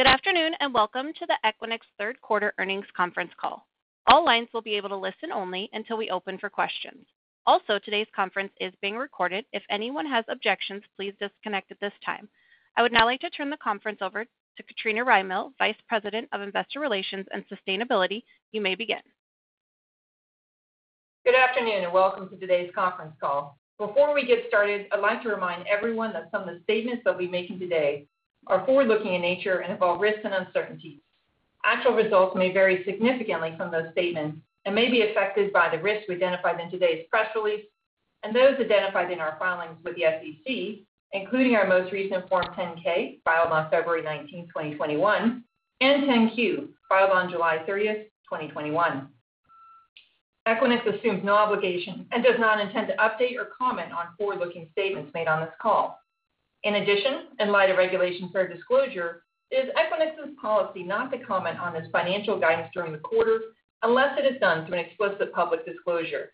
Good afternoon, and welcome to the Equinix third quarter earnings conference call. All lines will be able to listen only until we open for questions. Also, today's conference is being recorded. If anyone has objections, please disconnect at this time. I would now like to turn the conference over to Katrina Rymill, Vice President of Investor Relations and Sustainability. You may begin. Good afternoon, and welcome to today's conference call. Before we get started, I'd like to remind everyone that some of the statements that we'll be making today are forward-looking in nature and involve risks and uncertainties. Actual results may vary significantly from those statements and may be affected by the risks we identified in today's press release and those identified in our filings with the SEC, including our most recent Form 10-K filed on February 19, 2021, and 10-Q, filed on July 30th, 2021. Equinix assumes no obligation and does not intend to update or comment on forward-looking statements made on this call. In addition, in light of Regulation Fair Disclosure, it is Equinix's policy not to comment on its financial guidance during the quarter unless it is done through an explicit public disclosure.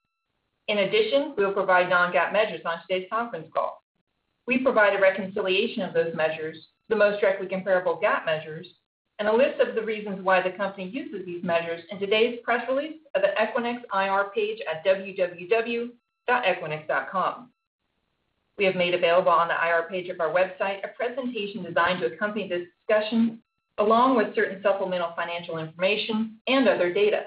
In addition, we will provide non-GAAP measures on today's conference call. We provide a reconciliation of those measures, the most directly comparable GAAP measures, and a list of the reasons why the company uses these measures in today's press release at the Equinix IR page at www.equinix.com. We have made available on the IR page of our website a presentation designed to accompany this discussion, along with certain supplemental financial information and other data.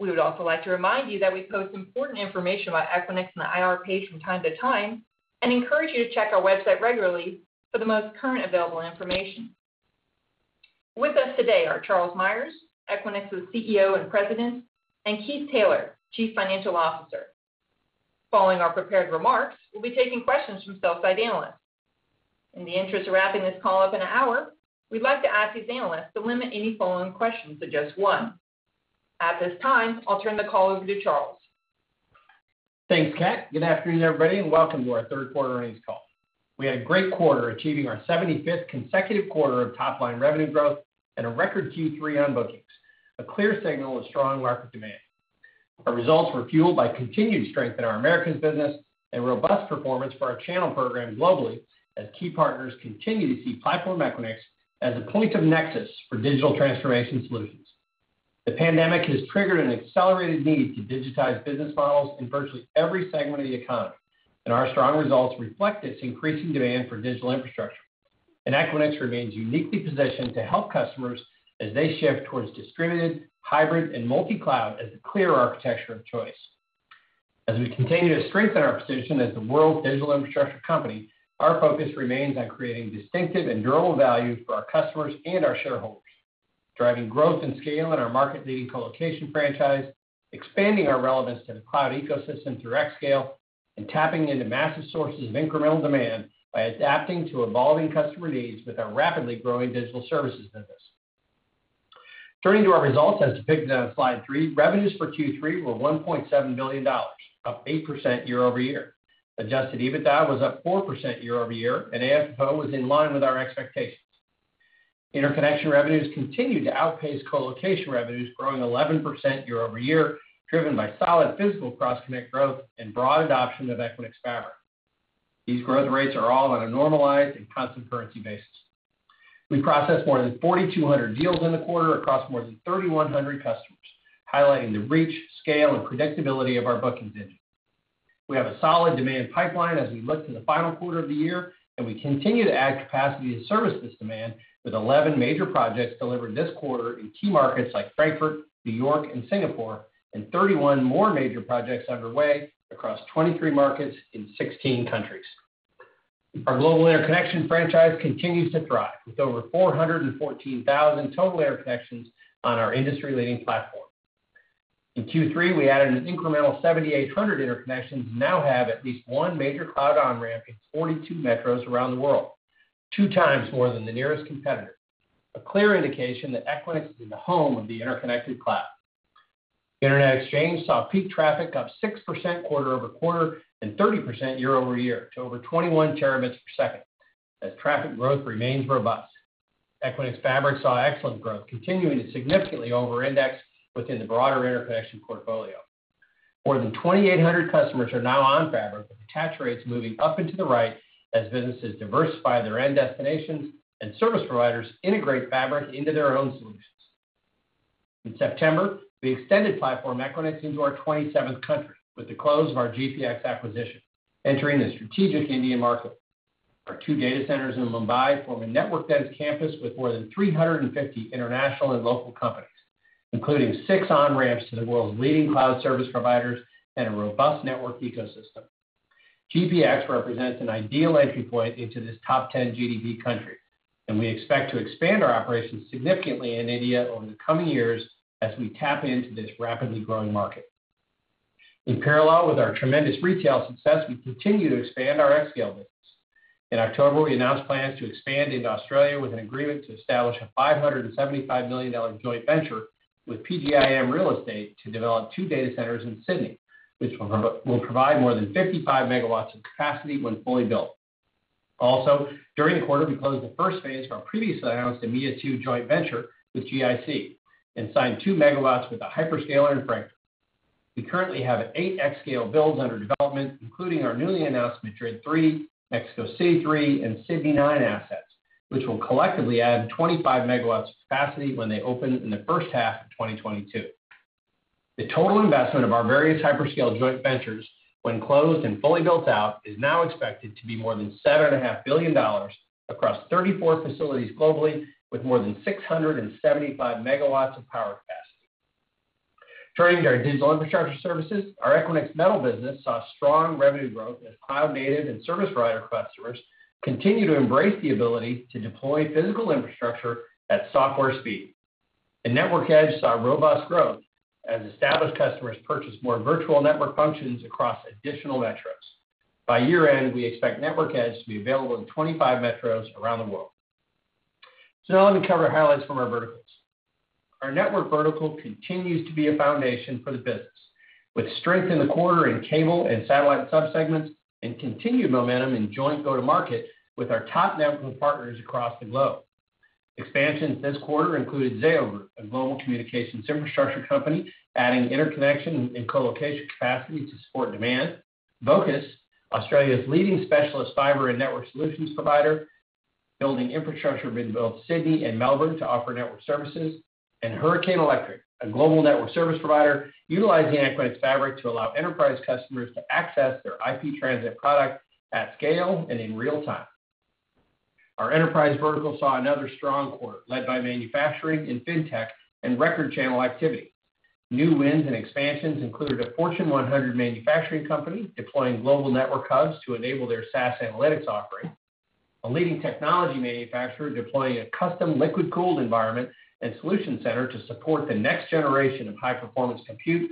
We would also like to remind you that we post important information about Equinix on the IR page from time to time and encourage you to check our website regularly for the most current available information. With us today are Charles Meyers, Equinix's CEO and President, and Keith Taylor, Chief Financial Officer. Following our prepared remarks, we'll be taking questions from sell-side analysts. In the interest of wrapping this call up in an hour, we'd like to ask these analysts to limit any follow-up questions to just one. At this time, I'll turn the call over to Charles. Thanks, Kat. Good afternoon, everybody, and welcome to our third quarter earnings call. We had a great quarter, achieving our seventy-fifth consecutive quarter of top-line revenue growth and a record Q3 on bookings, a clear signal of strong market demand. Our results were fueled by continued strength in our Americas business and robust performance for our channel programs globally as key partners continue to see Platform Equinix as a point of NEXUS for digital transformation solutions. The pandemic has triggered an accelerated need to digitize business models in virtually every segment of the economy, and our strong results reflect its increasing demand for digital infrastructure. Equinix remains uniquely positioned to help customers as they shift towards distributed, hybrid, and multi-cloud as the clear architecture of choice. As we continue to strengthen our position as the world's digital infrastructure company, our focus remains on creating distinctive and durable value for our customers and our shareholders, driving growth and scale in our market-leading colocation franchise, expanding our relevance to the cloud ecosystem through xScale, and tapping into massive sources of incremental demand by adapting to evolving customer needs with our rapidly growing digital services business. Turning to our results as depicted on slide three, revenues for Q3 were $1.7 billion, up 8% year-over-year. Adjusted EBITDA was up 4% year-over-year, and AFFO was in line with our expectations. Interconnection revenues continued to outpace colocation revenues, growing 11% year-over-year, driven by solid physical cross-connect growth and broad adoption of Equinix Fabric. These growth rates are all on a normalized and constant currency basis. We processed more than 4,200 deals in the quarter across more than 3,100 customers, highlighting the reach, scale, and predictability of our bookings engine. We have a solid demand pipeline as we look to the final quarter of the year, and we continue to add capacity to service this demand with 11 major projects delivered this quarter in key markets like Frankfurt, New York, and Singapore, and 31 more major projects underway across 23 markets in 16 countries. Our global interconnection franchise continues to thrive with over 414,000 total interconnections on our industry-leading platform. In Q3, we added an incremental 7,800 interconnections and now have at least one major cloud on-ramp in 42 metros around the world, two times more than the nearest competitor. A clear indication that Equinix is the home of the interconnected cloud. Internet Exchange saw peak traffic up 6% quarter-over-quarter and 30% year-over-year to over 21 Tbps as traffic growth remains robust. Equinix Fabric saw excellent growth, continuing to significantly over-index within the broader interconnection portfolio. More than 2,800 customers are now on Fabric with attach rates moving up into the right as businesses diversify their end destinations and service providers integrate Fabric into their own solutions. In September, we extended Platform Equinix into our 27th country with the close of our GPX acquisition, entering the strategic Indian market. Our two data centers in Mumbai form a network-dense campus with more than 350 international and local companies, including six on-ramps to the world's leading cloud service providers and a robust network ecosystem. GPX represents an ideal entry point into this top 10 GDP country, and we expect to expand our operations significantly in India over the coming years as we tap into this rapidly growing market. In parallel with our tremendous retail success, we continue to expand our xScale business. In October, we announced plans to expand into Australia with an agreement to establish a $575 million joint venture with PGIM Real Estate to develop two data centers in Sydney, which will provide more than 55 MW of capacity when fully built. Also, during the quarter, we closed the first phase of our previously announced EMEA 2 joint venture with GIC and signed 2 MW with a hyperscaler in Frankfurt. We currently have 8 xScale builds under development, including our newly announced Madrid Three, Mexico City Three, and Sydney Nine assets, which will collectively add 25 MW of capacity when they open in the first half of 2022. The total investment of our various hyperscale joint ventures when closed and fully built out is now expected to be more than $7.5 billion across 34 facilities globally with more than 675 MW of power capacity. Turning to our digital infrastructure services. Our Equinix Metal business saw strong revenue growth as cloud native and service provider customers continue to embrace the ability to deploy physical infrastructure at software speed. The Network Edge saw robust growth as established customers purchased more virtual network functions across additional metros. By year-end, we expect Network Edge to be available in 25 metros around the world. Now let me cover highlights from our verticals. Our network vertical continues to be a foundation for the business, with strength in the quarter in cable and satellite sub-segments, and continued momentum in joint go-to-market with our top network partners across the globe. Expansions this quarter included Zayo, a global communications infrastructure company, adding interconnection and co-location capacity to support demand. Vocus, Australia's leading specialist fiber and network solutions provider, building infrastructure within both Sydney and Melbourne to offer network services. Hurricane Electric, a global network service provider, utilizing Equinix Fabric to allow enterprise customers to access their IP transit product at scale and in real time. Our enterprise vertical saw another strong quarter led by manufacturing and fintech and record channel activity. New wins and expansions included a Fortune 100 manufacturing company deploying global network hubs to enable their SaaS analytics offering. A leading technology manufacturer deploying a custom liquid-cooled environment and solution center to support the next generation of high-performance compute.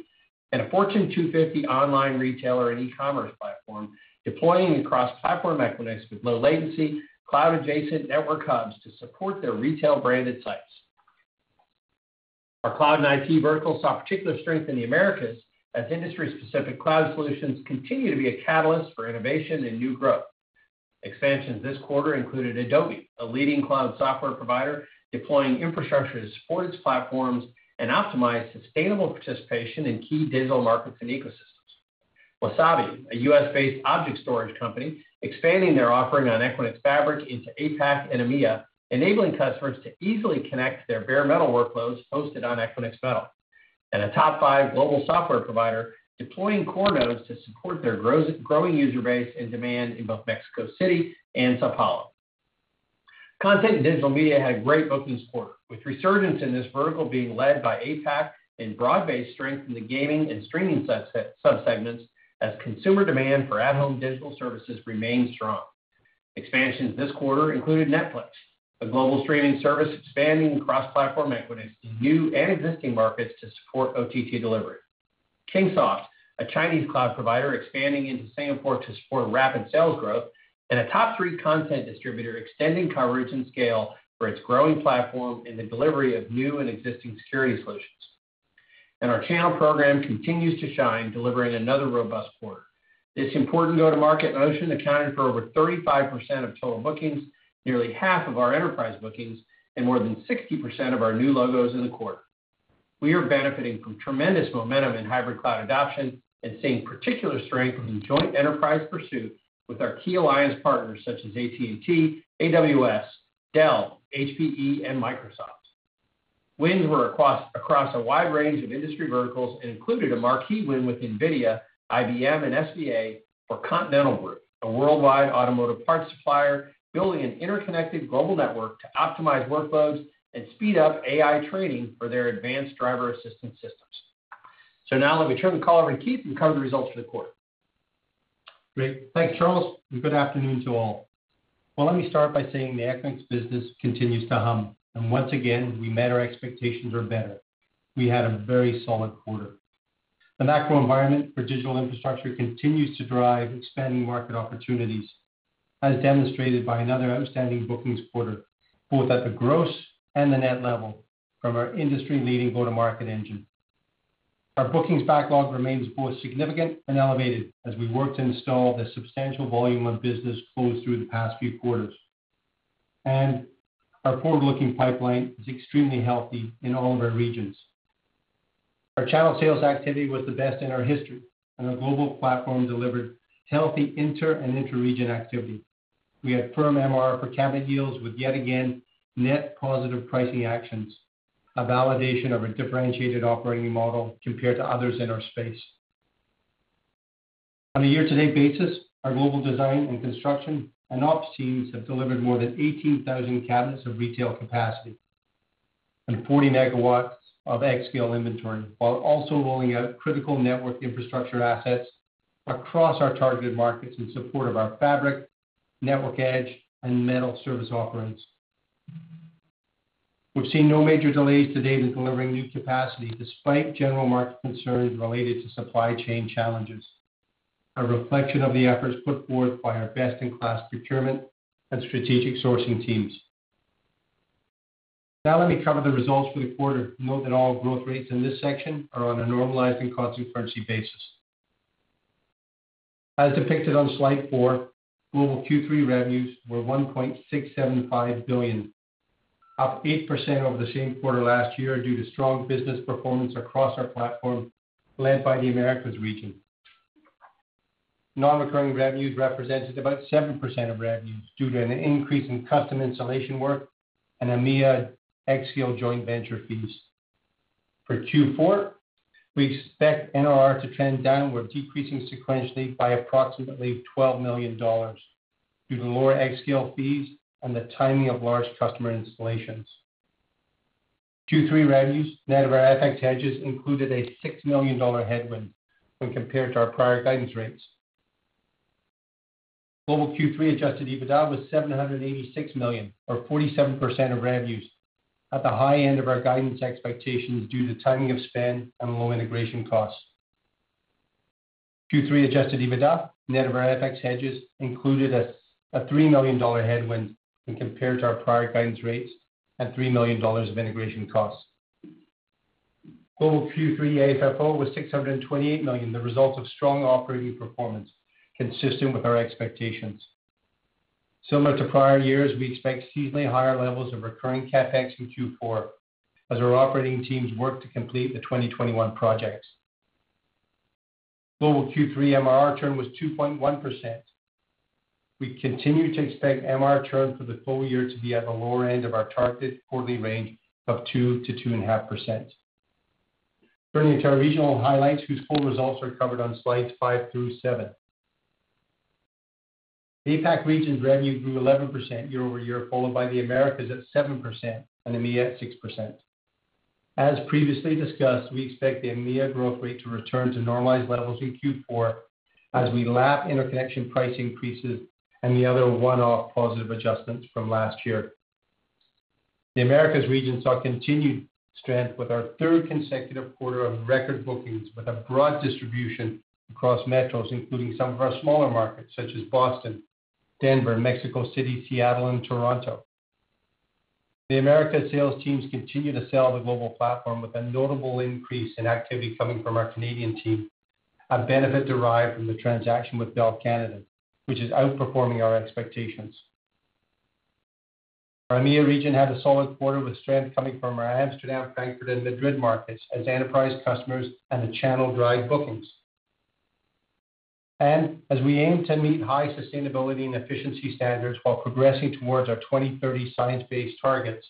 A Fortune 250 online retailer and e-commerce platform deploying across Platform Equinix with low latency, cloud-adjacent network hubs to support their retail branded sites. Our cloud and IT vertical saw particular strength in the Americas as industry-specific cloud solutions continue to be a catalyst for innovation and new growth. Expansions this quarter included Adobe, a leading cloud software provider, deploying infrastructure to support its platforms and optimize sustainable participation in key digital markets and ecosystems. Wasabi, a U.S.-based object storage company, expanding their offering on Equinix Fabric into APAC and EMEA, enabling customers to easily connect their bare metal workloads hosted on Equinix Metal. A top five global software provider deploying core nodes to support their growing user base and demand in both Mexico City and São Paulo. Content and digital media had a great bookings quarter, with resurgence in this vertical being led by APAC and broad-based strength in the gaming and streaming subsegments as consumer demand for at-home digital services remained strong. Expansions this quarter included Netflix, a global streaming service expanding across Platform Equinix to new and existing markets to support OTT delivery. Kingsoft, a Chinese cloud provider expanding into Singapore to support rapid sales growth. A top three content distributor extending coverage and scale for its growing platform in the delivery of new and existing security solutions. Our channel program continues to shine, delivering another robust quarter. This important go-to-market motion accounted for over 35% of total bookings, nearly half of our enterprise bookings, and more than 60% of our new logos in the quarter. We are benefiting from tremendous momentum in hybrid cloud adoption and seeing particular strength in joint enterprise pursuits with our key alliance partners such as AT&T, AWS, Dell, HPE, and Microsoft. Wins were across a wide range of industry verticals and included a marquee win with NVIDIA, IBM and SVA for Continental AG, a worldwide automotive parts supplier, building an interconnected global network to optimize workloads and speed up AI training for their advanced driver assistance systems. Now let me turn the call over to Keith, who will cover the results for the quarter. Great. Thanks, Charles, and good afternoon to all. Well, let me start by saying the Equinix business continues to hum, and once again, we met our expectations or better. We had a very solid quarter. The macro environment for digital infrastructure continues to drive expanding market opportunities, as demonstrated by another outstanding bookings quarter, both at the gross and the net level from our industry-leading go-to-market engine. Our bookings backlog remains both significant and elevated as we work to install the substantial volume of business closed through the past few quarters. Our forward-looking pipeline is extremely healthy in all of our regions. Our channel sales activity was the best in our history, and our global platform delivered healthy inter and intra-region activity. We had firm MRR per cabinet deals with yet again, net positive pricing actions, a validation of our differentiated operating model compared to others in our space. On a year-to-date basis, our global design and construction and ops teams have delivered more than 18,000 cabinets of retail capacity and 40 MW of xScale inventory, while also rolling out critical network infrastructure assets across our targeted markets in support of our Fabric, Network Edge, and Metal service offerings. We've seen no major delays to date in delivering new capacity despite general market concerns related to supply chain challenges, a reflection of the efforts put forth by our best-in-class procurement and strategic sourcing teams. Now let me cover the results for the quarter. Note that all growth rates in this section are on a normalized and constant currency basis. As depicted on slide four, global Q3 revenues were $1.675 billion, up 8% over the same quarter last year due to strong business performance across our platform led by the Americas region. Nonrecurring revenues represented about 7% of revenues due to an increase in custom installation work and EMEA xScale joint venture fees. For Q4, we expect NRR to trend downward, decreasing sequentially by approximately $12 million due to lower xScale fees and the timing of large customer installations. Q3 revenues net of our FX hedges included a $6 million headwind when compared to our prior guidance rates. Global Q3 adjusted EBITDA was $786 million, or 47% of revenues at the high end of our guidance expectations due to timing of spend and low integration costs. Q3 adjusted EBITDA net of our FX hedges included a $3 million headwind when compared to our prior guidance rates and $3 million of integration costs. Global Q3 AFFO was $628 million, the result of strong operating performance consistent with our expectations. Similar to prior years, we expect seasonally higher levels of recurring CapEx in Q4 as our operating teams work to complete the 2021 projects. Global Q3 MRR churn was 2.1%. We continue to expect MRR churn for the full year to be at the lower end of our targeted quarterly range of 2%-2.5%. Turning to our regional highlights, whose full results are covered on slide five through 7. APAC region's revenue grew 11% year-over-year, followed by the Americas at 7% and EMEA at 6%. As previously discussed, we expect the EMEA growth rate to return to normalized levels in Q4 as we lap interconnection price increases and the other one-off positive adjustments from last year. The Americas region saw continued strength with our third consecutive quarter of record bookings with a broad distribution across metros, including some of our smaller markets such as Boston, Denver, Mexico City, Seattle, and Toronto. The Americas sales teams continue to sell the global platform with a notable increase in activity coming from our Canadian team, a benefit derived from the transaction with Bell Canada, which is outperforming our expectations. Our EMEA region had a solid quarter with strength coming from our Amsterdam, Frankfurt, and Madrid markets as enterprise customers and the channel drive bookings. As we aim to meet high sustainability and efficiency standards while progressing towards our 2030 science-based targets,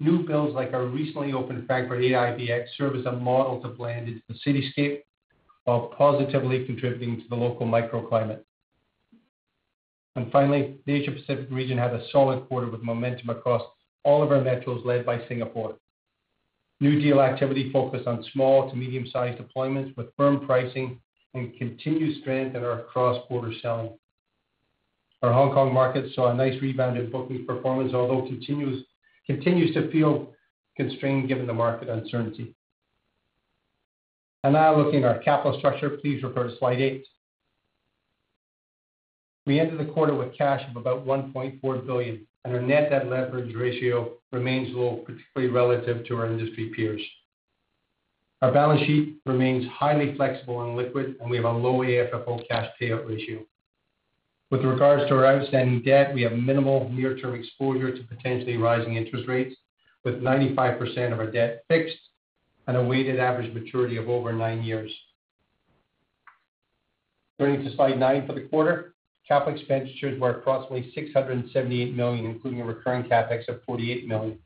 new builds like our recently opened Frankfurt IBX serve as a model to blend into the cityscape while positively contributing to the local microclimate. Finally, the Asia Pacific region had a solid quarter with momentum across all of our metros led by Singapore. New deal activity focused on small to medium-sized deployments with firm pricing and continued strength in our cross-border selling. Our Hong Kong market saw a nice rebound in booking performance, although continues to feel constrained given the market uncertainty. Now looking at our capital structure, please refer to slide eight. We ended the quarter with cash of about $1.4 billion, and our net debt leverage ratio remains low, particularly relative to our industry peers. Our balance sheet remains highly flexible and liquid, and we have a low AFFO cash payout ratio. With regards to our outstanding debt, we have minimal near-term exposure to potentially rising interest rates with 95% of our debt fixed and a weighted average maturity of over nine years. Turning to slide nine for the quarter. Capital expenditures were approximately $678 million, including a recurring CapEx of $48 million.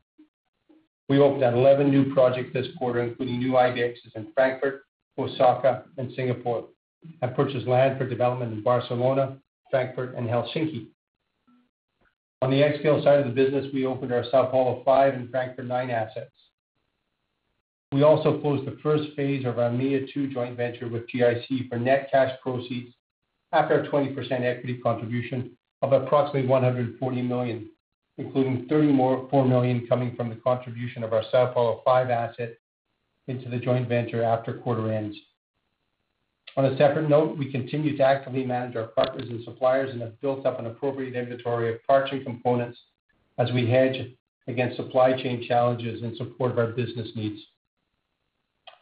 We opened 11 new projects this quarter, including new IBXs in Frankfurt, Osaka, and Singapore, and purchased land for development in Barcelona, Frankfurt, and Helsinki. On the xScale side of the business, we opened our São Paulo 5 and Frankfurt 9 assets. We also closed the first phase of our EMEA Two joint venture with GIC for net cash proceeds after our 20% equity contribution of approximately $140 million, including $34 million coming from the contribution of our São Paulo 5 asset into the joint venture after quarter end. On a separate note, we continue to actively manage our partners and suppliers and have built up an appropriate inventory of parts and components as we hedge against supply chain challenges in support of our business needs.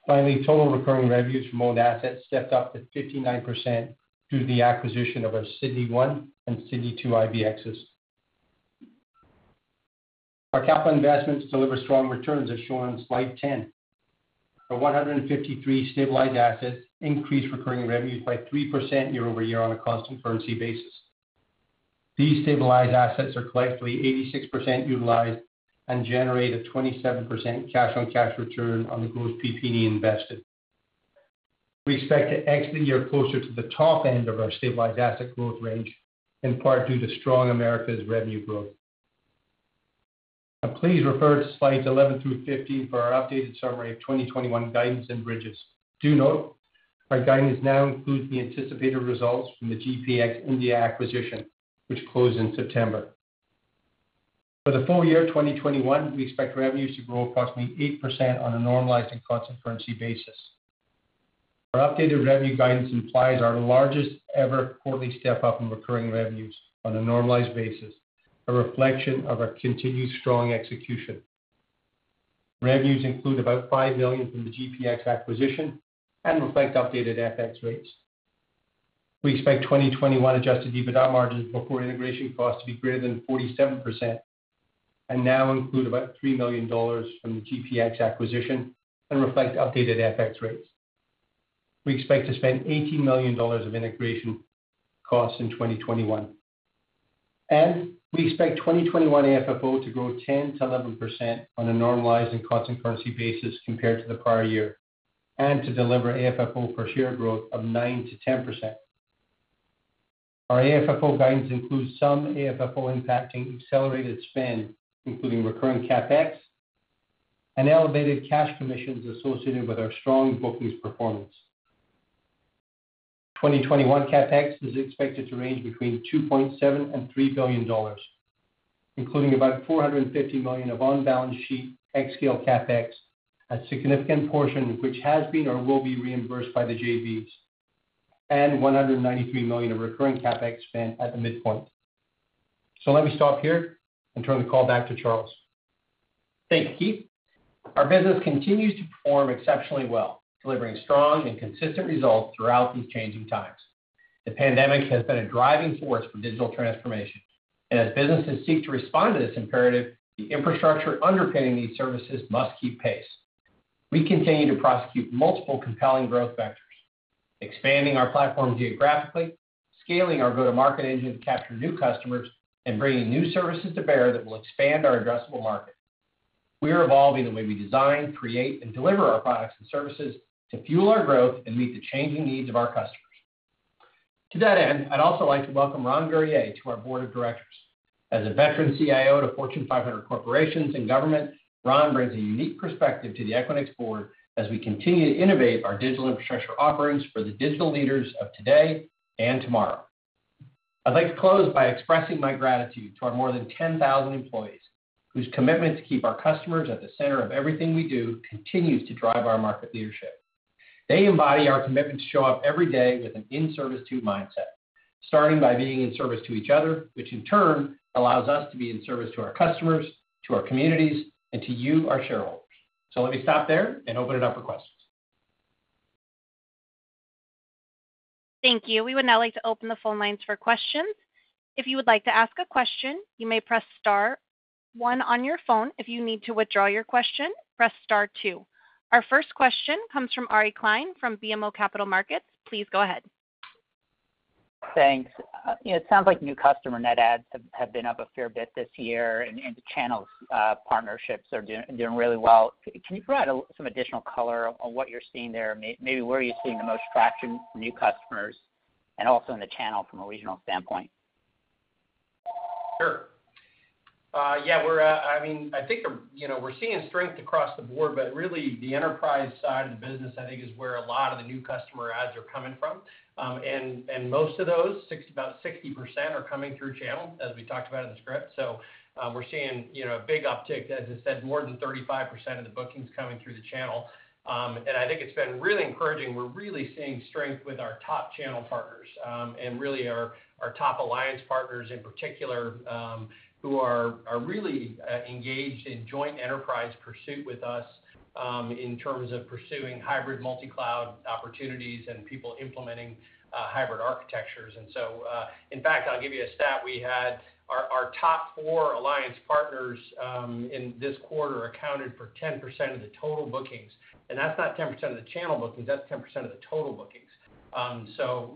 Finally, total recurring revenues from owned assets stepped up to 59% due to the acquisition of our Sydney one and Sydney two IBXs. Our capital investments deliver strong returns as shown on slide 10. Our 153 stabilized assets increased recurring revenues by 3% year-over-year on a constant currency basis. These stabilized assets are collectively 86% utilized and generate a 27% cash on cash return on the gross PP&E invested. We expect to exit the year closer to the top end of our stabilized asset growth range, in part due to strong Americas revenue growth. Now please refer to slides 11 through 15 for our updated summary of 2021 guidance and bridges. Do note our guidance now includes the anticipated results from the GPX India acquisition, which closed in September. For the full year 2021, we expect revenues to grow approximately 8% on a normalized and constant currency basis. Our updated revenue guidance implies our largest ever quarterly step-up in recurring revenues on a normalized basis, a reflection of our continued strong execution. Revenues include about $5 million from the GPX acquisition and reflect updated FX rates. We expect 2021 adjusted EBITDA margins before integration costs to be greater than 47% and now include about $3 million from the GPX acquisition and reflect updated FX rates. We expect to spend $18 million of integration costs in 2021, and we expect 2021 AFFO to grow 10%-11% on a normalized and constant currency basis compared to the prior year, and to deliver AFFO per share growth of 9%-10%. Our AFFO guidance includes some AFFO impacting accelerated spend, including recurring CapEx and elevated cash commissions associated with our strong bookings performance. 2021 CapEx is expected to range between $2.7 billion-$3 billion, including about $450 million of on-balance sheet xScale CapEx, a significant portion which has been or will be reimbursed by the JVs, and $193 million of recurring CapEx spend at the midpoint. Let me stop here and turn the call back to Charles. Thanks, Keith. Our business continues to perform exceptionally well, delivering strong and consistent results throughout these changing times. The pandemic has been a driving force for digital transformation, and as businesses seek to respond to this imperative, the infrastructure underpinning these services must keep pace. We continue to prosecute multiple compelling growth vectors, expanding our platform geographically, scaling our go-to-market engine to capture new customers, and bringing new services to bear that will expand our addressable market. We are evolving the way we design, create, and deliver our products and services to fuel our growth and meet the changing needs of our customers. To that end, I'd also like to welcome Ron Guerrier to our board of directors. As a veteran CIO to Fortune 500 corporations and government, Ron brings a unique perspective to the Equinix board as we continue to innovate our digital infrastructure offerings for the digital leaders of today and tomorrow. I'd like to close by expressing my gratitude to our more than 10,000 employees, whose commitment to keep our customers at the center of everything we do continues to drive our market leadership. They embody our commitment to show up every day with an in-service-to mindset, starting by being in service to each other, which in turn allows us to be in service to our customers, to our communities, and to you, our shareholders. Let me stop there and open it up for questions. Thank you. We would now like to open the phone lines for questions. If you would like to ask a question, you may press star one on your phone. If you need to withdraw your question, press star two. Our first question comes from Ari Klein from BMO Capital Markets. Please go ahead. Thanks. You know, it sounds like new customer net adds have been up a fair bit this year and the channels partnerships are doing really well. Can you provide some additional color on what you're seeing there? Maybe where are you seeing the most traction for new customers and also in the channel from a regional standpoint? Sure. Yeah, I mean, I think, you know, we're seeing strength across the board, but really the enterprise side of the business, I think, is where a lot of the new customer adds are coming from. Most of those, about 60% are coming through channel, as we talked about in the script. We're seeing, you know, a big uptick, as I said, more than 35% of the bookings coming through the channel. I think it's been really encouraging. We're really seeing strength with our top channel partners, and really our top alliance partners in particular, who are really engaged in joint enterprise pursuit with us, in terms of pursuing hybrid multi-cloud opportunities and people implementing hybrid architectures. In fact, I'll give you a stat. We had our top four alliance partners in this quarter accounted for 10% of the total bookings. That's not 10% of the channel bookings, that's 10% of the total bookings.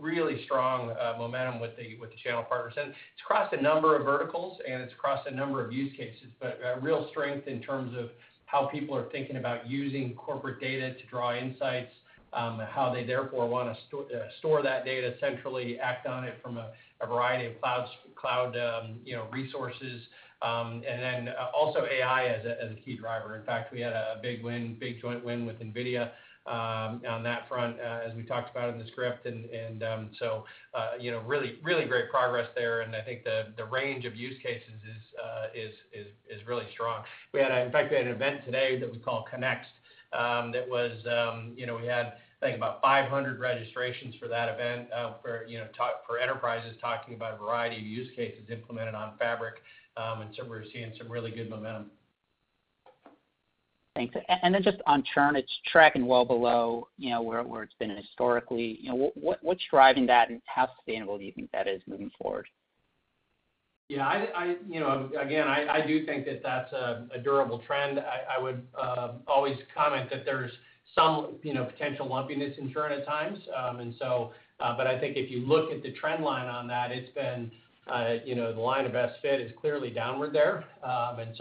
Really strong momentum with the channel partners. It's across a number of verticals, and it's across a number of use cases, but real strength in terms of how people are thinking about using corporate data to draw insights, how they therefore wanna store that data centrally, act on it from a variety of cloud, you know, resources. Also AI as a key driver. In fact, we had a big joint win with NVIDIA on that front, as we talked about in the script. You know, really great progress there, and I think the range of use cases is really strong. We had in fact an event today that we call Connect, you know, we had I think about 500 registrations for that event, for you know enterprises talking about a variety of use cases implemented on Fabric. We're seeing some really good momentum. Thanks. Just on churn, it's tracking well below, you know, where it's been historically. You know, what's driving that, and how sustainable do you think that is moving forward? Yeah, I, you know, again, I do think that that's a durable trend. I would always comment that there's some, you know, potential lumpiness in churn at times. I think if you look at the trend line on that, it's been, you know, the line of best fit is clearly downward there.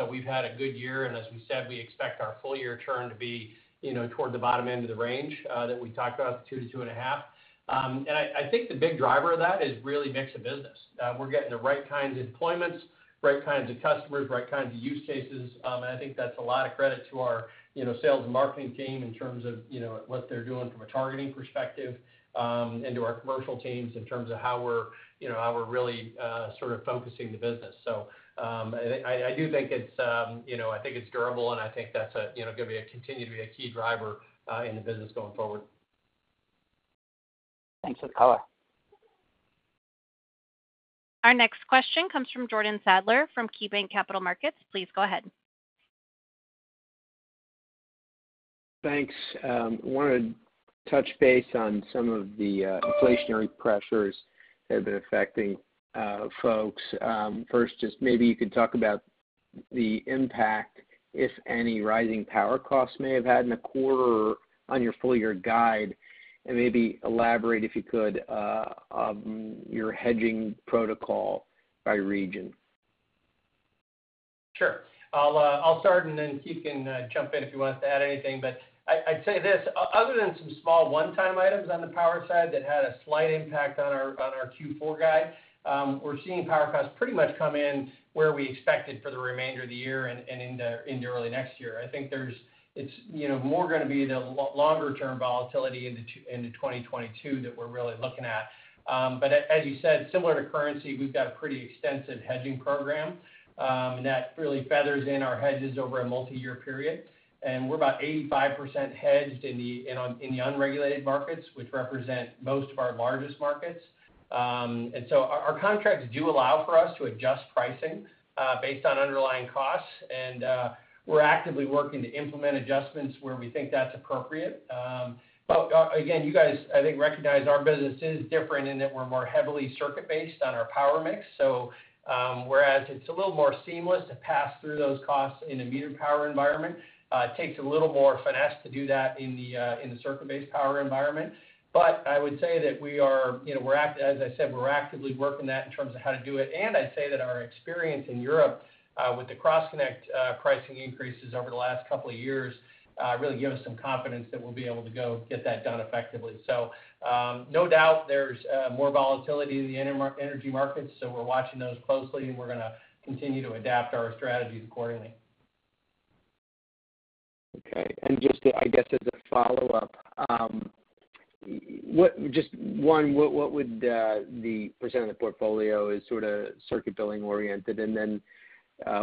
We've had a good year, and as we said, we expect our full year churn to be, you know, toward the bottom end of the range that we talked about, the 2%-2.5%. I think the big driver of that is really mix of business. We're getting the right kinds of deployments, right kinds of customers, right kinds of use cases. I think that's a lot of credit to our sales and marketing team in terms of what they're doing from a targeting perspective, and to our commercial teams in terms of how we're really sort of focusing the business. I do think it's durable, and I think that's going to continue to be a key driver in the business going forward. Thanks for the color. Our next question comes from Jordan Sadler from KeyBanc Capital Markets. Please go ahead. Thanks. Want to touch base on some of the inflationary pressures that have been affecting folks. First, just maybe you could talk about the impact, if any, rising power costs may have had in the quarter on your full year guide, and maybe elaborate, if you could, your hedging protocol by region. Sure. I'll start and then Keith can jump in if you want to add anything. I'd say this, other than some small one-time items on the power side that had a slight impact on our Q4 guide, we're seeing power costs pretty much come in where we expected for the remainder of the year and into early next year. I think it's, you know, more gonna be the longer term volatility into 2022 that we're really looking at. As you said, similar to currency, we've got a pretty extensive hedging program, and that really feathers in our hedges over a multiyear period. We're about 85% hedged in the unregulated markets, which represent most of our largest markets. Our contracts do allow for us to adjust pricing based on underlying costs. We're actively working to implement adjustments where we think that's appropriate. Again, you guys, I think, recognize our business is different in that we're more heavily circuit based on our power mix. Whereas it's a little more seamless to pass through those costs in a metered power environment, it takes a little more finesse to do that in the circuit-based power environment. I would say that we are, you know, as I said, we're actively working that in terms of how to do it. I'd say that our experience in Europe with the cross-connect pricing increases over the last couple of years really give us some confidence that we'll be able to go get that done effectively. No doubt there's more volatility in the energy markets, so we're watching those closely, and we're gonna continue to adapt our strategies accordingly. Okay. Just, I guess, as a follow-up, just one, what would the percent of the portfolio is sort of circuit billing oriented?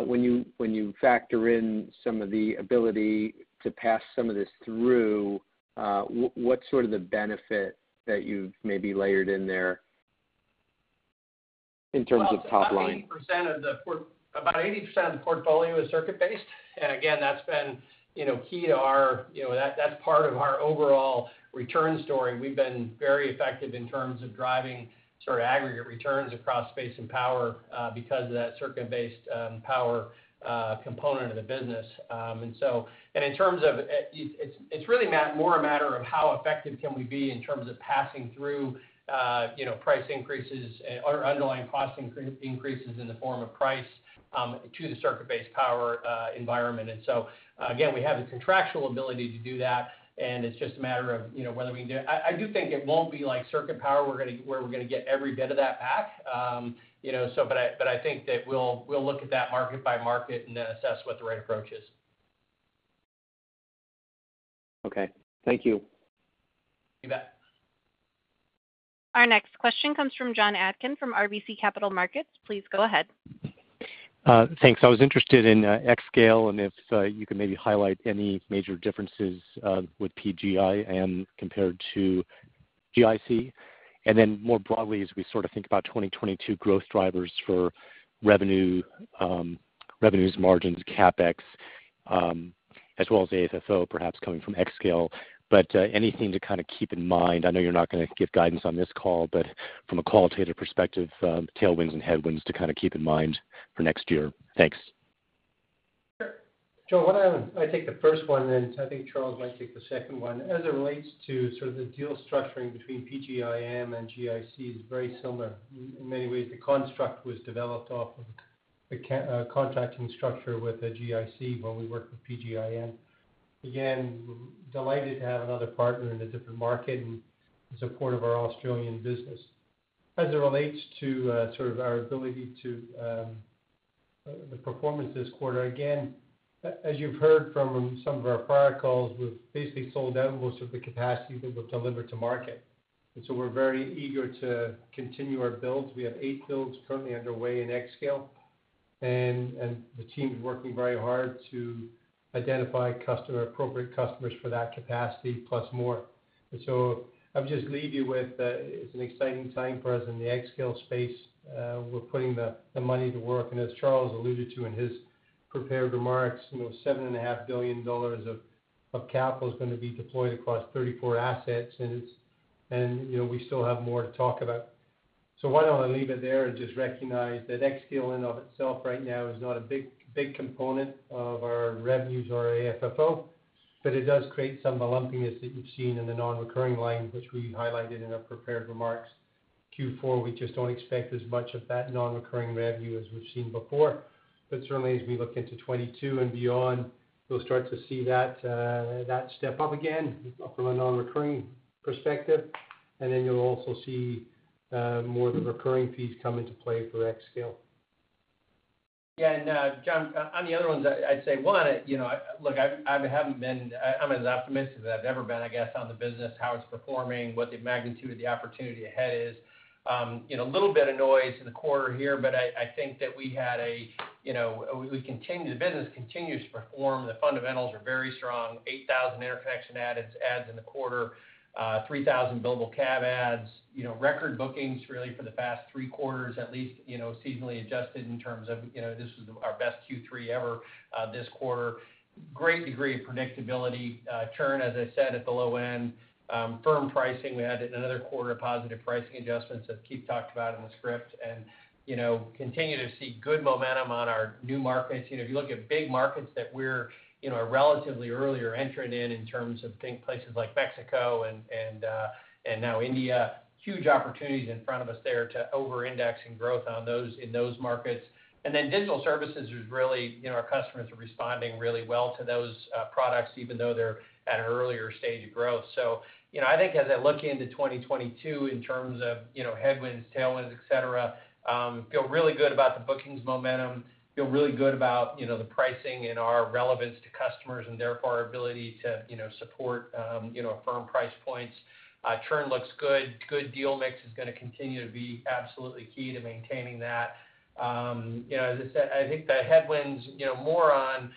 When you factor in some of the ability to pass some of this through, what's sort of the benefit that you've maybe layered in there in terms of top line? Well, about 80% of the portfolio is circuit based. Again, that's been, you know, key to our, you know, that's part of our overall return story. We've been very effective in terms of driving sort of aggregate returns across space and power because of that circuit-based power component of the business. It's really more a matter of how effective can we be in terms of passing through, you know, price increases or underlying cost increases in the form of price to the circuit-based power environment. Again, we have the contractual ability to do that, and it's just a matter of, you know, whether we do it. I do think it won't be like circuit power, where we're gonna get every bit of that back. You know, but I think that we'll look at that market by market and then assess what the right approach is. Okay. Thank you. You bet. Our next question comes from Jon Atkin from RBC Capital Markets. Please go ahead. Thanks. I was interested in xScale, and if you could maybe highlight any major differences with PGIM compared to GIC. Then more broadly, as we sort of think about 2022 growth drivers for revenue margins, CapEx, as well as AFFO perhaps coming from xScale. Anything to kind of keep in mind? I know you're not gonna give guidance on this call, but from a qualitative perspective, tailwinds and headwinds to kind of keep in mind for next year. Thanks. Sure. Jon, why don't I take the first one, and I think Charles might take the second one. As it relates to sort of the deal structuring between PGIM and GIC, is very similar. In many ways, the construct was developed off of the contracting structure with the GIC when we worked with PGIM. Again, we're delighted to have another partner in a different market in support of our Australian business. As it relates to sort of the performance this quarter, again, as you've heard from some of our prior calls, we've basically sold out most of the capacity that we've delivered to market. So we're very eager to continue our builds. We have eight builds currently underway in xScale, and the team's working very hard to identify customer-appropriate customers for that capacity plus more. I would just leave you with, it's an exciting time for us in the xScale space. We're putting the money to work. As Charles alluded to in his prepared remarks, you know, $7.5 billion of capital is gonna be deployed across 34 assets, and you know, we still have more to talk about. Why don't I leave it there and just recognize that xScale in and of itself right now is not a big component of our revenues or AFFO, but it does create some lumpiness that you've seen in the non-recurring line, which we highlighted in our prepared remarks. Q4, we just don't expect as much of that non-recurring revenue as we've seen before. Certainly as we look into 2022 and beyond, you'll start to see that step up again from a non-recurring perspective. Then you'll also see more of the recurring fees come into play for xScale. Jon Atkin, on the other ones, I'd say, one, you know, look, I'm as optimistic as I've ever been, I guess, on the business, how it's performing, what the magnitude of the opportunity ahead is. You know, a little bit of noise in the quarter here, but I think that we had a, you know, the business continues to perform. The fundamentals are very strong. 8,000 interconnection adds in the quarter. 3,000 billable CAB adds. You know, record bookings really for the past 3 quarters at least, you know, seasonally adjusted in terms of, you know, this was our best Q3 ever, this quarter. Great degree of predictability. Churn, as I said, at the low end. Firm pricing, we had another quarter of positive pricing adjustments that Keith talked about in the script. You know, we continue to see good momentum on our new markets. You know, if you look at big markets that we're, you know, a relatively earlier entrant in in terms of think places like Mexico and now India, huge opportunities in front of us there to over-index in growth on those in those markets. Digital services is really, you know, our customers are responding really well to those products, even though they're at an earlier stage of growth. You know, I think as I look into 2022 in terms of, you know, headwinds, tailwinds, et cetera, feel really good about the bookings momentum. feel really good about, you know, the pricing and our relevance to customers, and therefore our ability to, you know, support, you know, firm price points. Churn looks good. Good deal mix is gonna continue to be absolutely key to maintaining that. As I said, I think the headwinds, you know, more on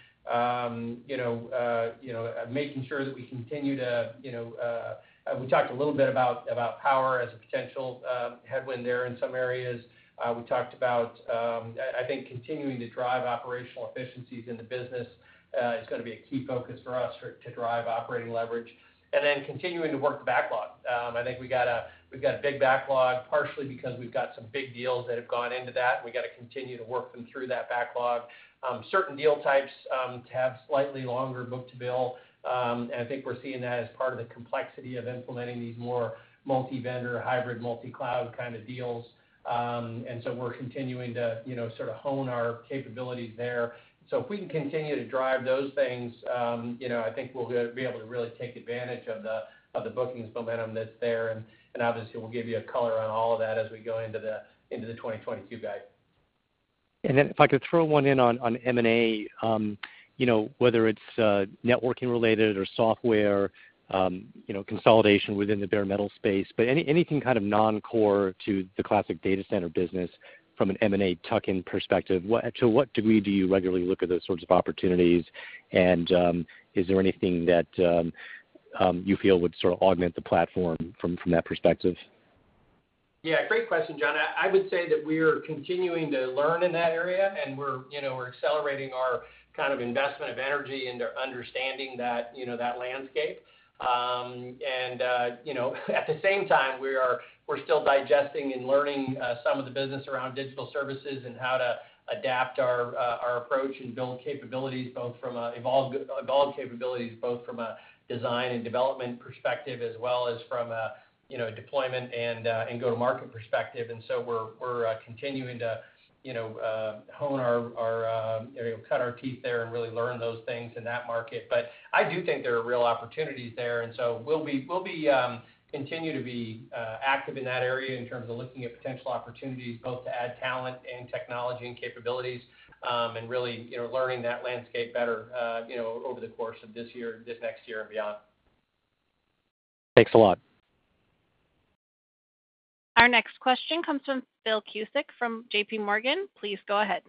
making sure that we continue to, you know. We talked a little bit about power as a potential headwind there in some areas. We talked about I think continuing to drive operational efficiencies in the business is gonna be a key focus for us to drive operating leverage. Continuing to work the backlog. I think we've got a big backlog, partially because we've got some big deals that have gone into that. We gotta continue to work them through that backlog. Certain deal types have slightly longer book-to-bill. I think we're seeing that as part of the complexity of implementing these more multi-vendor, hybrid multi-cloud kind of deals. We're continuing to, you know, sort of hone our capabilities there. If we can continue to drive those things, you know, I think we'll be able to really take advantage of the bookings momentum that's there. Obviously, we'll give you a color on all of that as we go into the 2022 guide. If I could throw one in on M&A. You know, whether it's networking related or software, you know, consolidation within the bare metal space, but anything kind of non-core to the classic data center business from an M&A tuck-in perspective, to what degree do you regularly look at those sorts of opportunities? Is there anything that you feel would sort of augment the platform from that perspective? Yeah, great question, Jon. I would say that we're continuing to learn in that area, and we're, you know, accelerating our kind of investment of energy into understanding that, you know, landscape. You know, at the same time, we're still digesting and learning some of the business around digital services and how to adapt our approach and build capabilities, both from evolved capabilities from a design and development perspective, as well as from a, you know, deployment and go-to-market perspective. We're continuing to, you know, hone our, you know, cut our teeth there and really learn those things in that market. I do think there are real opportunities there. We'll continue to be active in that area in terms of looking at potential opportunities, both to add talent and technology and capabilities, and really, you know, learning that landscape better, you know, over the course of this year, this next year and beyond. Thanks a lot. Our next question comes from Phil Cusick from JPMorgan. Please go ahead.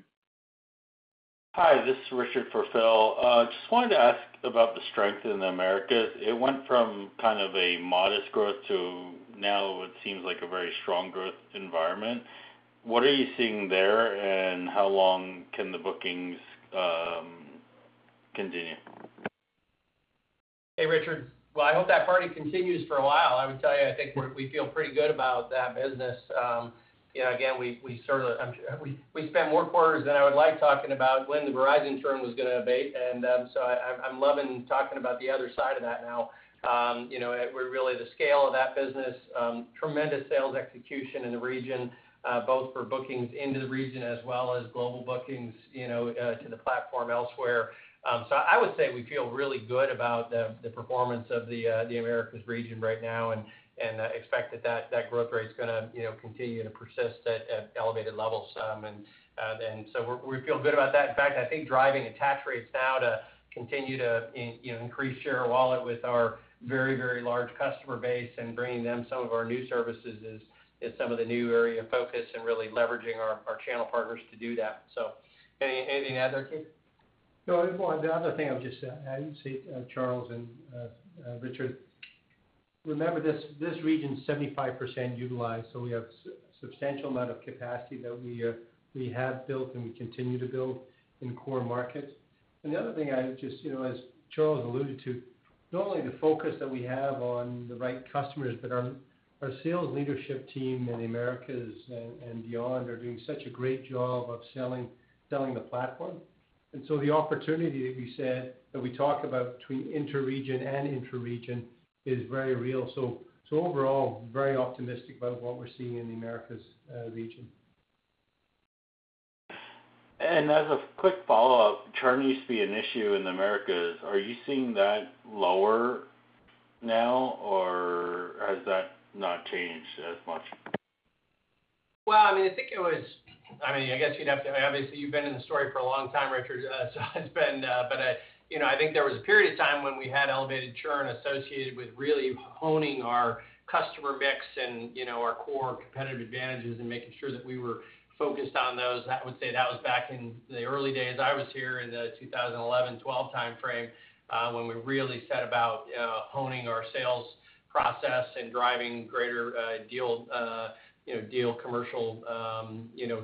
Hi, this is Richard for Phil. Just wanted to ask about the strength in the Americas. It went from kind of a modest growth to now it seems like a very strong growth environment. What are you seeing there, and how long can the bookings continue? Hey, Richard. Well, I hope that party continues for a while. I would tell you, I think we feel pretty good about that business. You know, again, we spent more quarters than I would like talking about when the Verizon churn was gonna abate. I'm loving talking about the other side of that now. You know, we're really seeing the scale of that business, tremendous sales execution in the region, both for bookings into the region as well as global bookings, you know, to the platform elsewhere. I would say we feel really good about the performance of the Americas region right now and expect that growth rate's gonna continue to persist at elevated levels. We feel good about that. In fact, I think driving attach rates now to continue to you know, increase share of wallet with our very, very large customer base and bringing them some of our new services is some of the new area of focus and really leveraging our channel partners to do that. Anything to add there, Keith? The other thing I would just add, Charles and Richard, remember this region is 75% utilized, so we have substantial amount of capacity that we have built and we continue to build in core markets. The other thing I just, you know, as Charles alluded to, not only the focus that we have on the right customers, but our sales leadership team in the Americas and beyond are doing such a great job of selling the platform. The opportunity, like we said, that we talk about between inter-region and intra-region is very real. Overall, very optimistic about what we're seeing in the Americas region. As a quick follow-up, churn used to be an issue in the Americas. Are you seeing that lower now, or has that not changed as much? I mean, obviously, you've been in the story for a long time, Richard. You know, I think there was a period of time when we had elevated churn associated with really honing our customer mix and, you know, our core competitive advantages and making sure that we were focused on those. I would say that was back in the early days I was here in the 2011-2012 timeframe when we really set about honing our sales process and driving greater deal commercial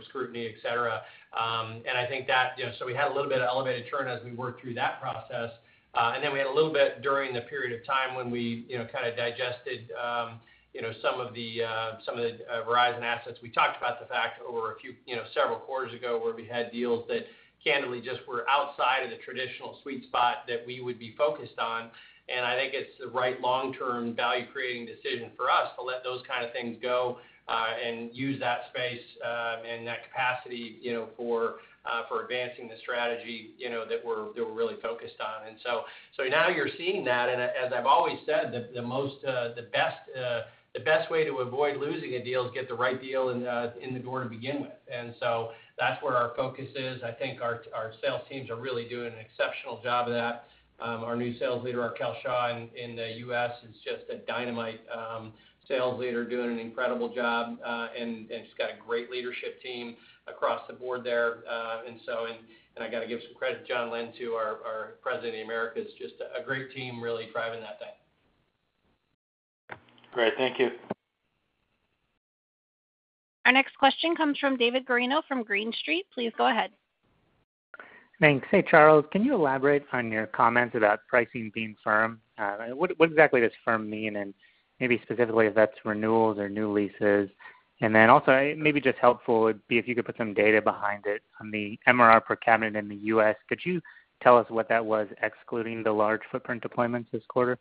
scrutiny, et cetera. I think that, you know, we had a little bit of elevated churn as we worked through that process. We had a little bit during the period of time when we, you know, kinda digested, you know, some of the Verizon assets. We talked about the fact over a few, you know, several quarters ago, where we had deals that candidly just were outside of the traditional sweet spot that we would be focused on. I think it's the right long-term value-creating decision for us to let those kinda things go, and use that space, and that capacity, you know, for advancing the strategy, you know, that we're really focused on. Now you're seeing that. As I've always said, the best way to avoid losing a deal is get the right deal in the door to begin with. That's where our focus is. I think our sales teams are really doing an exceptional job of that. Our new sales leader, Arquelle Shaw, in the U.S. is just a dynamite sales leader doing an incredible job. She's got a great leadership team across the board there. I gotta give some credit to Jon Lin too, our president of the Americas, just a great team really driving that thing. Great. Thank you. Our next question comes from David Guarino from Green Street. Please go ahead. Thanks. Hey, Charles, can you elaborate on your comments about pricing being firm? What exactly does firm mean? Maybe specifically if that's renewals or new leases. It may be just helpful. It'd be if you could put some data behind it on the MRR per cabinet in the U.S. Could you tell us what that was excluding the large footprint deployments this quarter?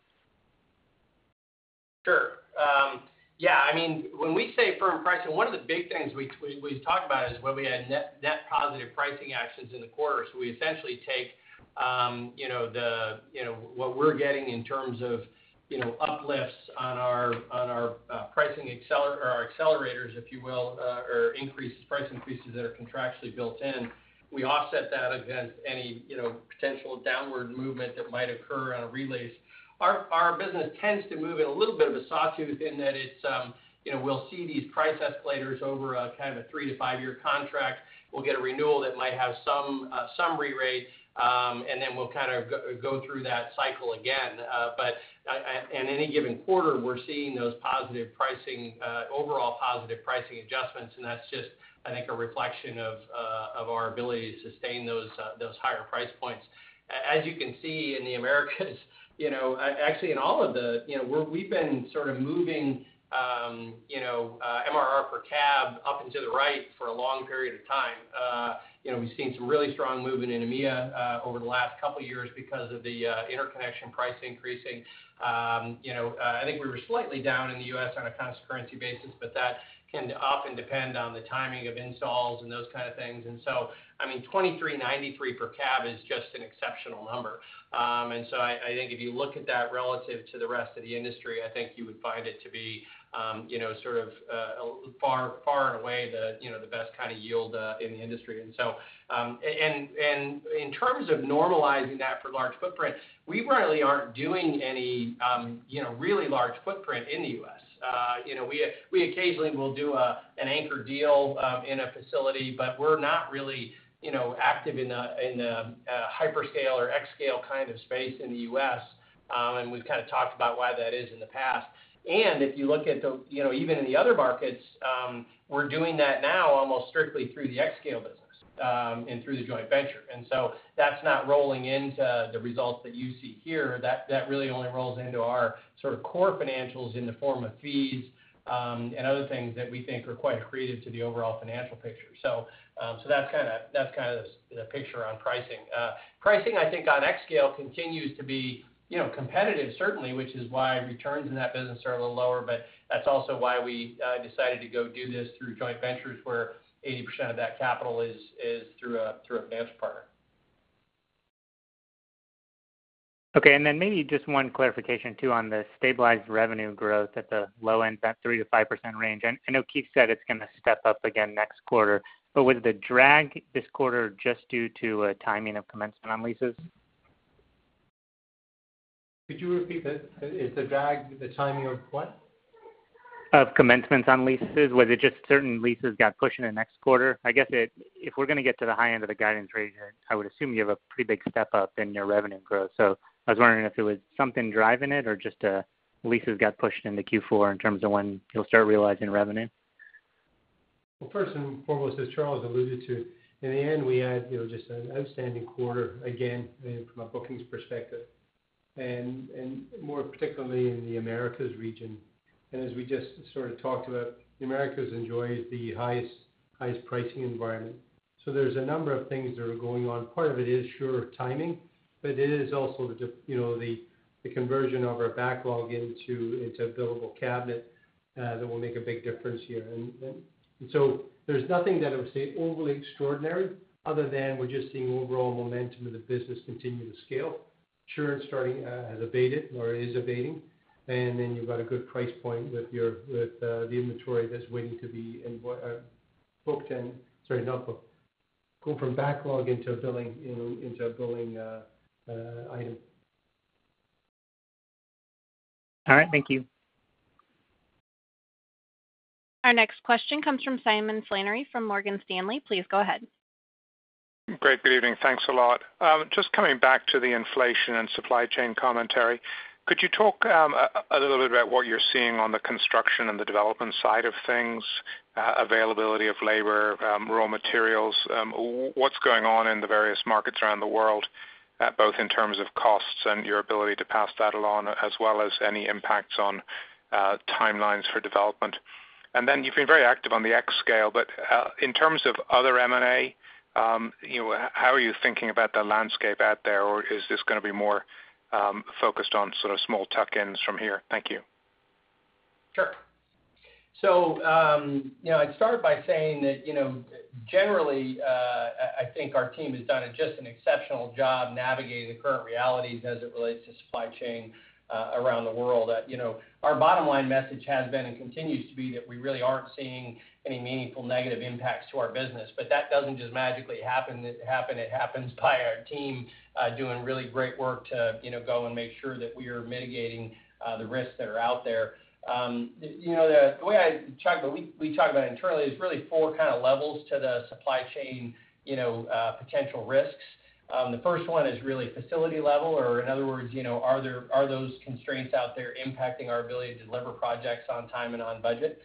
Sure. Yeah, I mean, when we say firm pricing, one of the big things we've talked about is where we had net positive pricing actions in the quarter. We essentially take, you know, the, you know, what we're getting in terms of, you know, uplifts on our, on our, pricing accelerators or our accelerators, if you will, or increases, price increases that are contractually built in. We offset that against any, you know, potential downward movement that might occur on a re-lease. Our business tends to move at a little bit of a sawtooth in that it's, you know, we'll see these price escalators over a kind of a three to five year contract. We'll get a renewal that might have some rerate, and then we'll kind of go through that cycle again. At any given quarter, we're seeing those positive pricing overall positive pricing adjustments, and that's just, I think, a reflection of our ability to sustain those higher price points. As you can see in the Americas, you know, actually in all of the, you know, we've been sort of moving, you know, MRR per cab up and to the right for a long period of time. We've seen some really strong movement in EMEA over the last couple of years because of the interconnection price increasing. I think we were slightly down in the U.S. on a constant currency basis, but that can often depend on the timing of installs and those kind of things. I mean, $2,393 per cab is just an exceptional number. I think if you look at that relative to the rest of the industry, I think you would find it to be, you know, sort of, far, far and away the, you know, the best kind of yield in the industry. In terms of normalizing that for large footprint, we really aren't doing any, you know, really large footprint in the U.S. You know, we occasionally will do an anchor deal in a facility, but we're not really, you know, active in a hyperscale or xScale kind of space in the U.S., and we've kinda talked about why that is in the past. If you look at the, you know, even in the other markets, we're doing that now almost strictly through the xScale business, and through the joint venture. That's not rolling into the results that you see here. That really only rolls into our sort of core financials in the form of fees, and other things that we think are quite accretive to the overall financial picture. That's kinda the picture on pricing. Pricing, I think on xScale continues to be, you know, competitive certainly, which is why returns in that business are a little lower, but that's also why we decided to go do this through joint ventures where 80% of that capital is through a venture partner. Okay. Maybe just one clarification too on the stabilized revenue growth at the low end, that 3%-5% range. I know Keith said it's gonna step up again next quarter. Was the drag this quarter just due to a timing of commencement on leases? Could you repeat that? Is the drag the timing of what? Of commencements on leases. Was it just certain leases got pushed into next quarter? I guess if we're gonna get to the high end of the guidance range, I would assume you have a pretty big step up in your revenue growth. I was wondering if it was something driving it or just leases got pushed into Q4 in terms of when you'll start realizing revenue? First and foremost, as Charles alluded to, in the end, we had, you know, just an outstanding quarter, again, you know, from a bookings perspective, and more particularly in the Americas region. As we just sort of talked about, the Americas enjoys the highest pricing environment. There's a number of things that are going on. Part of it is sheer timing, but it is also the, you know, the conversion of our backlog into billable cabinet that will make a big difference here. There's nothing that I would say overly extraordinary other than we're just seeing overall momentum of the business continue to scale. Churn has abated or is abating. Then you've got a good price point with the inventory that's waiting to be invoiced. Go from backlog into a billing, you know, item. All right. Thank you. Our next question comes from Simon Flannery from Morgan Stanley. Please go ahead. Great. Good evening. Thanks a lot. Just coming back to the inflation and supply chain commentary, could you talk a little bit about what you're seeing on the construction and the development side of things, availability of labor, raw materials, what's going on in the various markets around the world, both in terms of costs and your ability to pass that along as well as any impacts on timelines for development? You've been very active on the xScale, but in terms of other M&A, you know, how are you thinking about the landscape out there, or is this gonna be more focused on sort of small tuck-ins from here? Thank you. I'd start by saying that, you know, generally, I think our team has done a just and exceptional job navigating the current realities as it relates to supply chain around the world. You know, our bottom line message has been and continues to be that we really aren't seeing any meaningful negative impacts to our business. That doesn't just magically happen. It happens by our team doing really great work to go and make sure that we are mitigating the risks that are out there. You know, we talk about internally is really four kind of levels to the supply chain, you know, potential risks. The first one is really facility level, or in other words, you know, are those constraints out there impacting our ability to deliver projects on time and on budget?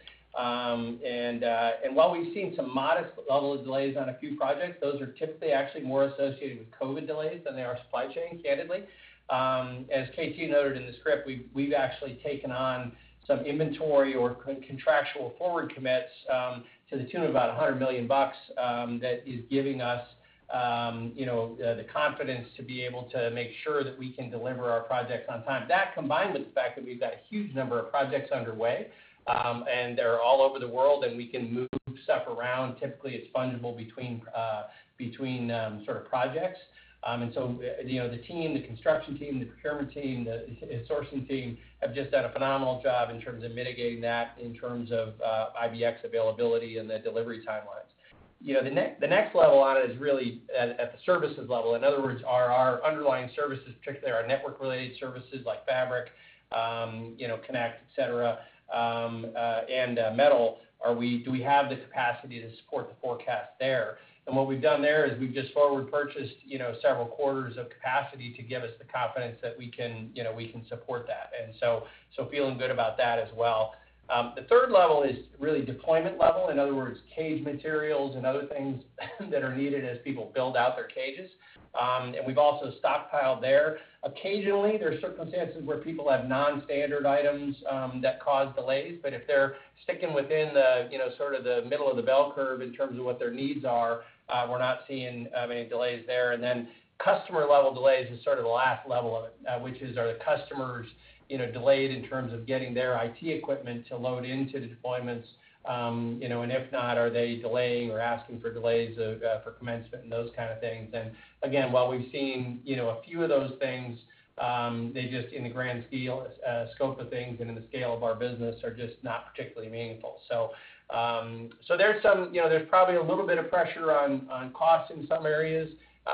While we've seen some modest level of delays on a few projects, those are typically actually more associated with COVID delays than they are supply chain, candidly. As KT noted in the script, we've actually taken on some inventory or contractual forward commits to the tune of about $100 million that is giving us you know the confidence to be able to make sure that we can deliver our projects on time. That combined with the fact that we've got a huge number of projects underway and they're all over the world, and we can move stuff around. Typically, it's fundable between sort of projects. You know, the team, the construction team, the procurement team, the sourcing team have just done a phenomenal job in terms of mitigating that in terms of IBX availability and the delivery timelines. You know, the next level on it is really at the services level. In other words, are our underlying services, particularly our network-related services like Fabric, you know, Connect, et cetera, and Metal, do we have the capacity to support the forecast there? What we've done there is we've just forward purchased, you know, several quarters of capacity to give us the confidence that we can support that. Feeling good about that as well. The third level is really deployment level. In other words, cage materials and other things that are needed as people build out their cages. We've also stockpiled there. Occasionally, there are circumstances where people have non-standard items that cause delays, but if they're sticking within the, you know, sort of the middle of the bell curve in terms of what their needs are, we're not seeing many delays there. Then customer level delays is sort of the last level of it, which is, are the customers, you know, delayed in terms of getting their IT equipment to load into the deployments? You know, if not, are they delaying or asking for delays for commencement and those kind of things. Again, while we've seen, you know, a few of those things, they just in the grand scale, scope of things and in the scale of our business are just not particularly meaningful. There's probably a little bit of pressure on costs in some areas.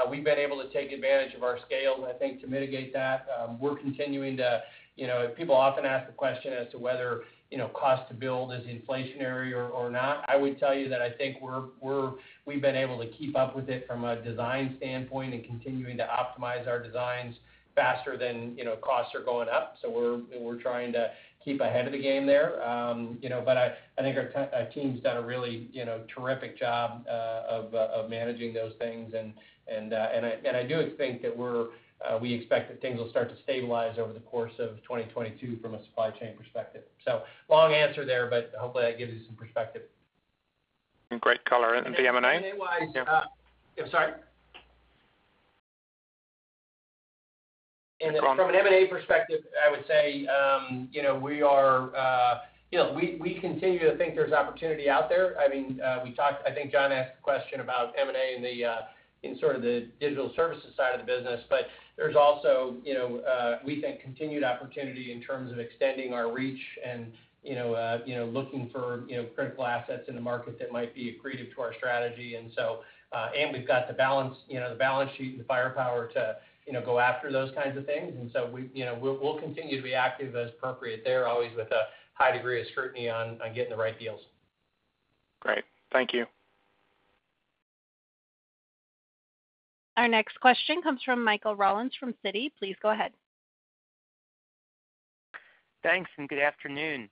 We've been able to take advantage of our scale, and I think to mitigate that, we're continuing to. People often ask the question as to whether, you know, cost to build is inflationary or not. I would tell you that I think we've been able to keep up with it from a design standpoint and continuing to optimize our designs faster than, you know, costs are going up. We're trying to keep ahead of the game there. You know, I think our team's done a really, you know, terrific job of managing those things. I do think that we expect that things will start to stabilize over the course of 2022 from a supply chain perspective. Long answer there, but hopefully that gives you some perspective. Great color. The M&A? M&A-wise. From an M&A perspective, I would say, you know, we continue to think there's opportunity out there. I mean, we talked, I think John asked the question about M&A in the in sort of the digital services side of the business. There's also, you know, we think continued opportunity in terms of extending our reach and, you know, looking for, you know, critical assets in the market that might be accretive to our strategy. And we've got the balance, you know, the balance sheet and the firepower to, you know, go after those kinds of things. We, you know, we'll continue to be active as appropriate there, always with a high degree of scrutiny on getting the right deals. Great. Thank you. Our next question comes from Michael Rollins from Citi. Please go ahead. Thanks, good afternoon.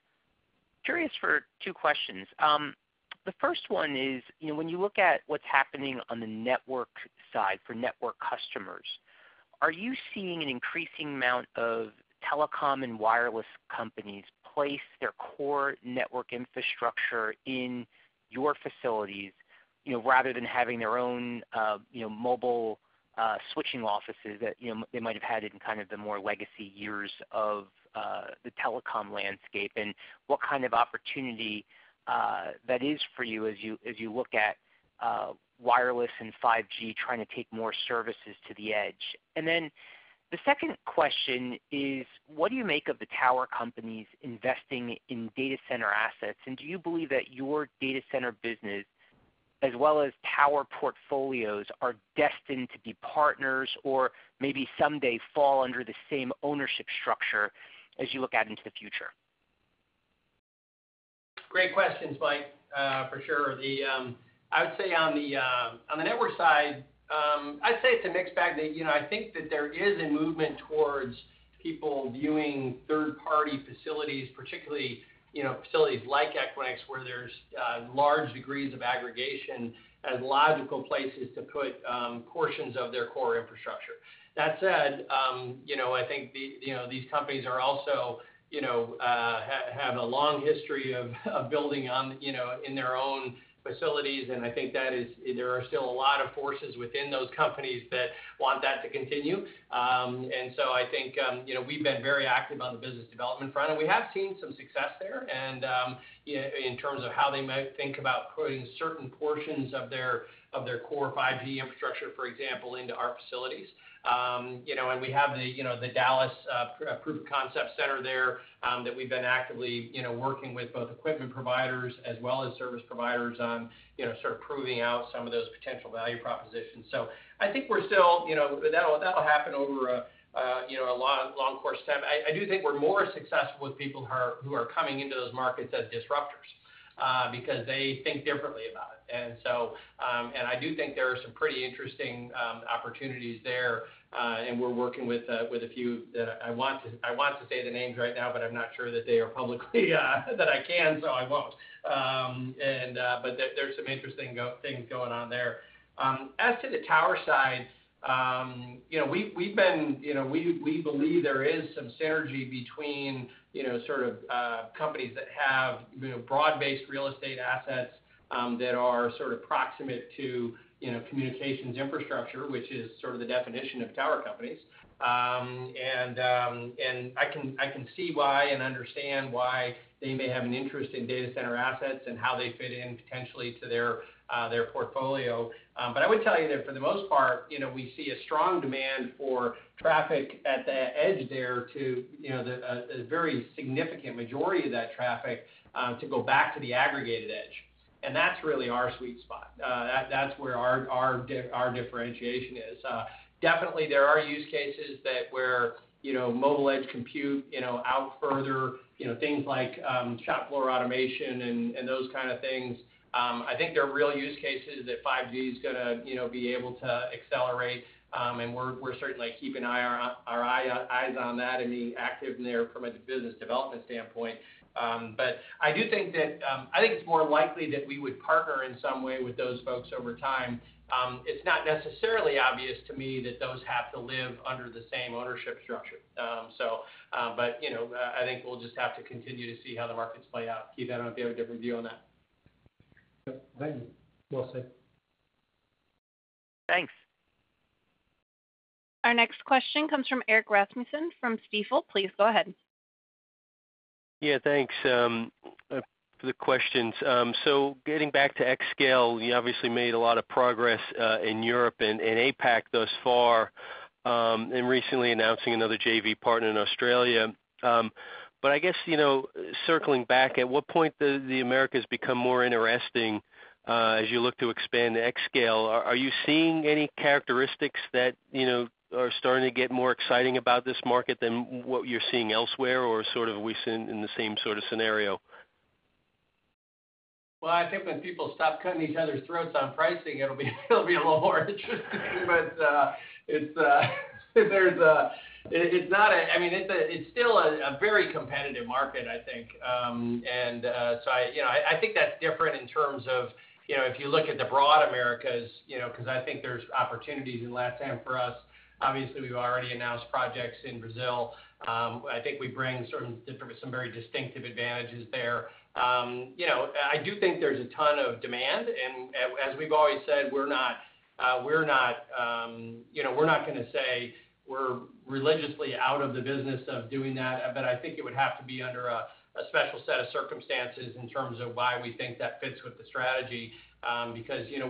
I have two questions. The first one is, you know, when you look at what's happening on the network side for network customers, are you seeing an increasing amount of telecom and wireless companies place their core network infrastructure in your facilities, you know, rather than having their own, you know, mobile switching offices that, you know, they might have had in kind of the more legacy years of the telecom landscape? What kind of opportunity that is for you as you look at wireless and 5G trying to take more services to the edge. Then the second question is, what do you make of the tower companies investing in data center assets? Do you believe that your data center business as well as power portfolios are destined to be partners or maybe someday fall under the same ownership structure as you look out into the future? Great questions, Mike, for sure. I would say on the network side, I'd say it's a mixed bag. You know, I think that there is a movement towards people viewing third-party facilities, particularly, you know, facilities like Equinix, where there's large degrees of aggregation as logical places to put portions of their core infrastructure. That said, you know, I think these companies are also, you know, have a long history of building in their own facilities, and I think there are still a lot of forces within those companies that want that to continue. I think, you know, we've been very active on the business development front, and we have seen some success there. In terms of how they might think about putting certain portions of their core 5G infrastructure, for example, into our facilities. You know, we have the Dallas proof of concept center there that we've been actively, you know, working with both equipment providers as well as service providers on, you know, sort of proving out some of those potential value propositions. I think we're still, you know, that'll happen over a long course of time. I do think we're more successful with people who are coming into those markets as disruptors because they think differently about it. I do think there are some pretty interesting opportunities there, and we're working with a few that I want to say the names right now, but I'm not sure that they are publicly that I can, so I won't. But there's some interesting things going on there. As to the tower side, you know, we've been, you know, we believe there is some synergy between, you know, sort of companies that have, you know, broad-based real estate assets that are sort of proximate to, you know, communications infrastructure, which is sort of the definition of tower companies. I can see why and understand why they may have an interest in data center assets and how they fit in potentially to their portfolio. I would tell you that for the most part, you know, we see a strong demand for traffic at the edge there, you know, a very significant majority of that traffic to go back to the aggregated edge. That's really our sweet spot. That's where our differentiation is. Definitely there are use cases where, you know, mobile edge compute, you know, out further, you know, things like shop floor automation and those kind of things. I think there are real use cases that 5G is gonna, you know, be able to accelerate, and we're certainly keeping our eyes on that and being active there from a business development standpoint. I think it's more likely that we would partner in some way with those folks over time. It's not necessarily obvious to me that those have to live under the same ownership structure. You know, I think we'll just have to continue to see how the markets play out. Keith, I don't know if you have a different view on that. No. I'm with you. Well said. Thanks. Our next question comes from Erik Rasmussen from Stifel. Please go ahead. Yeah, thanks for the questions. Getting back to xScale, you obviously made a lot of progress in Europe and in APAC thus far, and recently announcing another JV partner in Australia. I guess, you know, circling back, at what point does the Americas become more interesting as you look to expand xScale? Are you seeing any characteristics that, you know, are starting to get more exciting about this market than what you're seeing elsewhere, or sort of are we in the same sort of scenario? Well, I think when people stop cutting each other's throats on pricing, it'll be a little more interesting. It's not a—I mean, it's still a very competitive market, I think. I think that's different in terms of, you know, if you look at the broad Americas, you know, 'cause I think there's opportunities in LatAm for us. Obviously, we've already announced projects in Brazil. I think we bring certain different, some very distinctive advantages there. You know, I do think there's a ton of demand. As we've always said, we're not gonna say we're religiously out of the business of doing that, but I think it would have to be under a special set of circumstances in terms of why we think that fits with the strategy. Because, you know,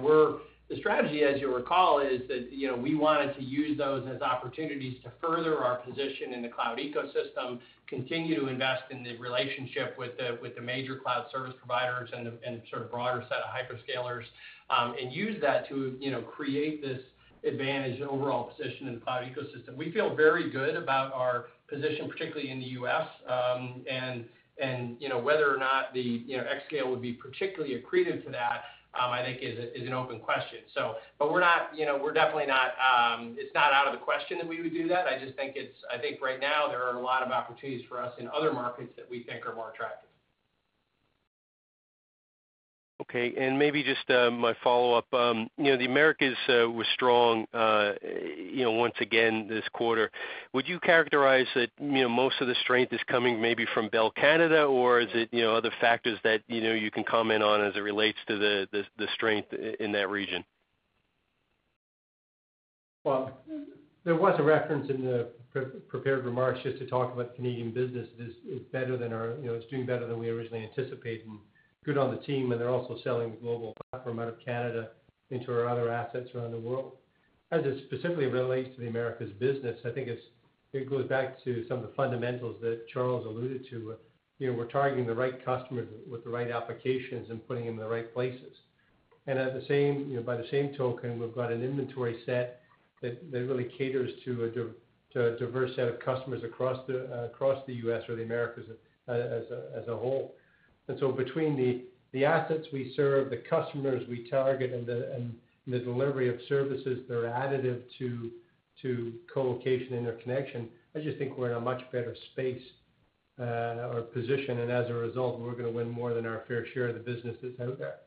the strategy, as you'll recall, is that, you know, we wanted to use those as opportunities to further our position in the cloud ecosystem, continue to invest in the relationship with the major cloud service providers and the broader set of hyperscalers, and use that to, you know, create this advantage and overall position in the cloud ecosystem. We feel very good about our position, particularly in the U.S. You know, whether or not the xScale would be particularly accretive to that, I think is an open question. We're definitely not, it's not out of the question that we would do that. I just think it's, I think right now there are a lot of opportunities for us in other markets that we think are more attractive. Okay, maybe just my follow-up. You know, the Americas were strong, you know, once again this quarter. Would you characterize that, you know, most of the strength is coming maybe from Bell Canada, or is it, you know, other factors that, you know, you can comment on as it relates to the strength in that region? Well, there was a reference in the pre-prepared remarks just to talk about Canadian business is better than our, you know, it's doing better than we originally anticipated, and good on the team, and they're also selling the global platform out of Canada into our other assets around the world. As it specifically relates to the Americas business, I think it goes back to some of the fundamentals that Charles alluded to. You know, we're targeting the right customers with the right applications and putting them in the right places. At the same, you know, by the same token, we've got an inventory set that really caters to a diverse set of customers across the U.S. or the Americas as a whole. Between the assets we serve, the customers we target, and the delivery of services that are additive to colocation interconnection, I just think we're in a much better space, or position. As a result, we're gonna win more than our fair share of the businesses out there.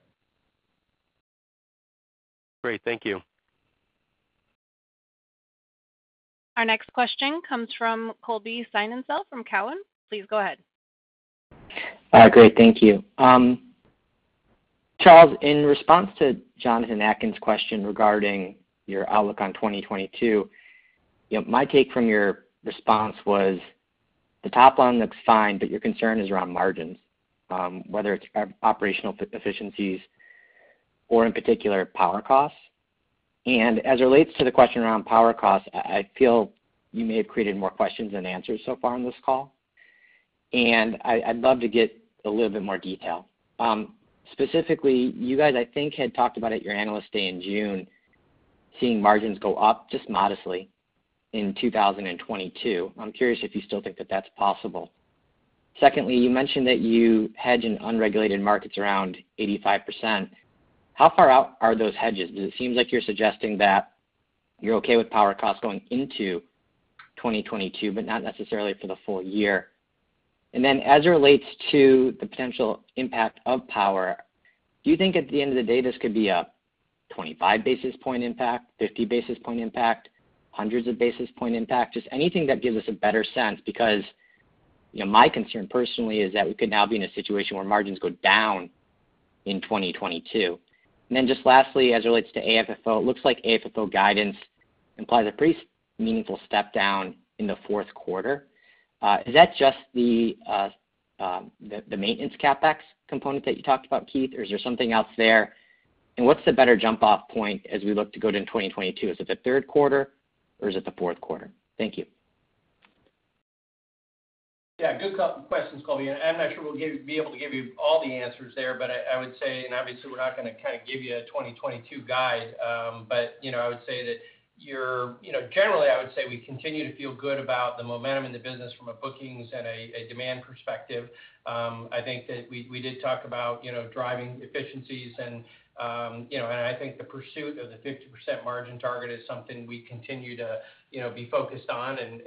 Great. Thank you. Our next question comes from Colby Synesael from Cowen. Please go ahead. Great. Thank you. Charles, in response to Jonathan Atkin's question regarding your outlook on 2022, you know, my take from your response was the top line looks fine, but your concern is around margins, whether it's operational efficiencies or in particular power costs. As it relates to the question around power costs, I feel you may have created more questions than answers so far on this call, and I'd love to get a little bit more detail. Specifically, you guys, I think, had talked about at your Analyst Day in June, seeing margins go up just modestly in 2022. I'm curious if you still think that that's possible. Secondly, you mentioned that you hedge in unregulated markets around 85%. How far out are those hedges? Because it seems like you're suggesting that you're okay with power costs going into 2022, but not necessarily for the full year. Then as it relates to the potential impact of power, do you think at the end of the day, this could be a 25 basis point impact, 50 basis point impact, hundreds of basis point impact? Just anything that gives us a better sense because, you know, my concern personally is that we could now be in a situation where margins go down in 2022. Then just lastly, as it relates to AFFO, it looks like AFFO guidance implies a pretty meaningful step down in the fourth quarter. Is that just the maintenance CapEx component that you talked about, Keith, or is there something else there? What's the better jump-off point as we look to go to in 2022? Is it the third quarter or is it the fourth quarter? Thank you. Yeah, good questions, Colby, and I'm not sure we'll be able to give you all the answers there, but I would say, and obviously we're not gonna kinda give you a 2022 guide, but you know, I would say that you know, generally, I would say we continue to feel good about the momentum in the business from a bookings and a demand perspective. I think that we did talk about, you know, driving efficiencies and, you know, and I think the pursuit of the 50% margin target is something we continue to, you know, be focused on and,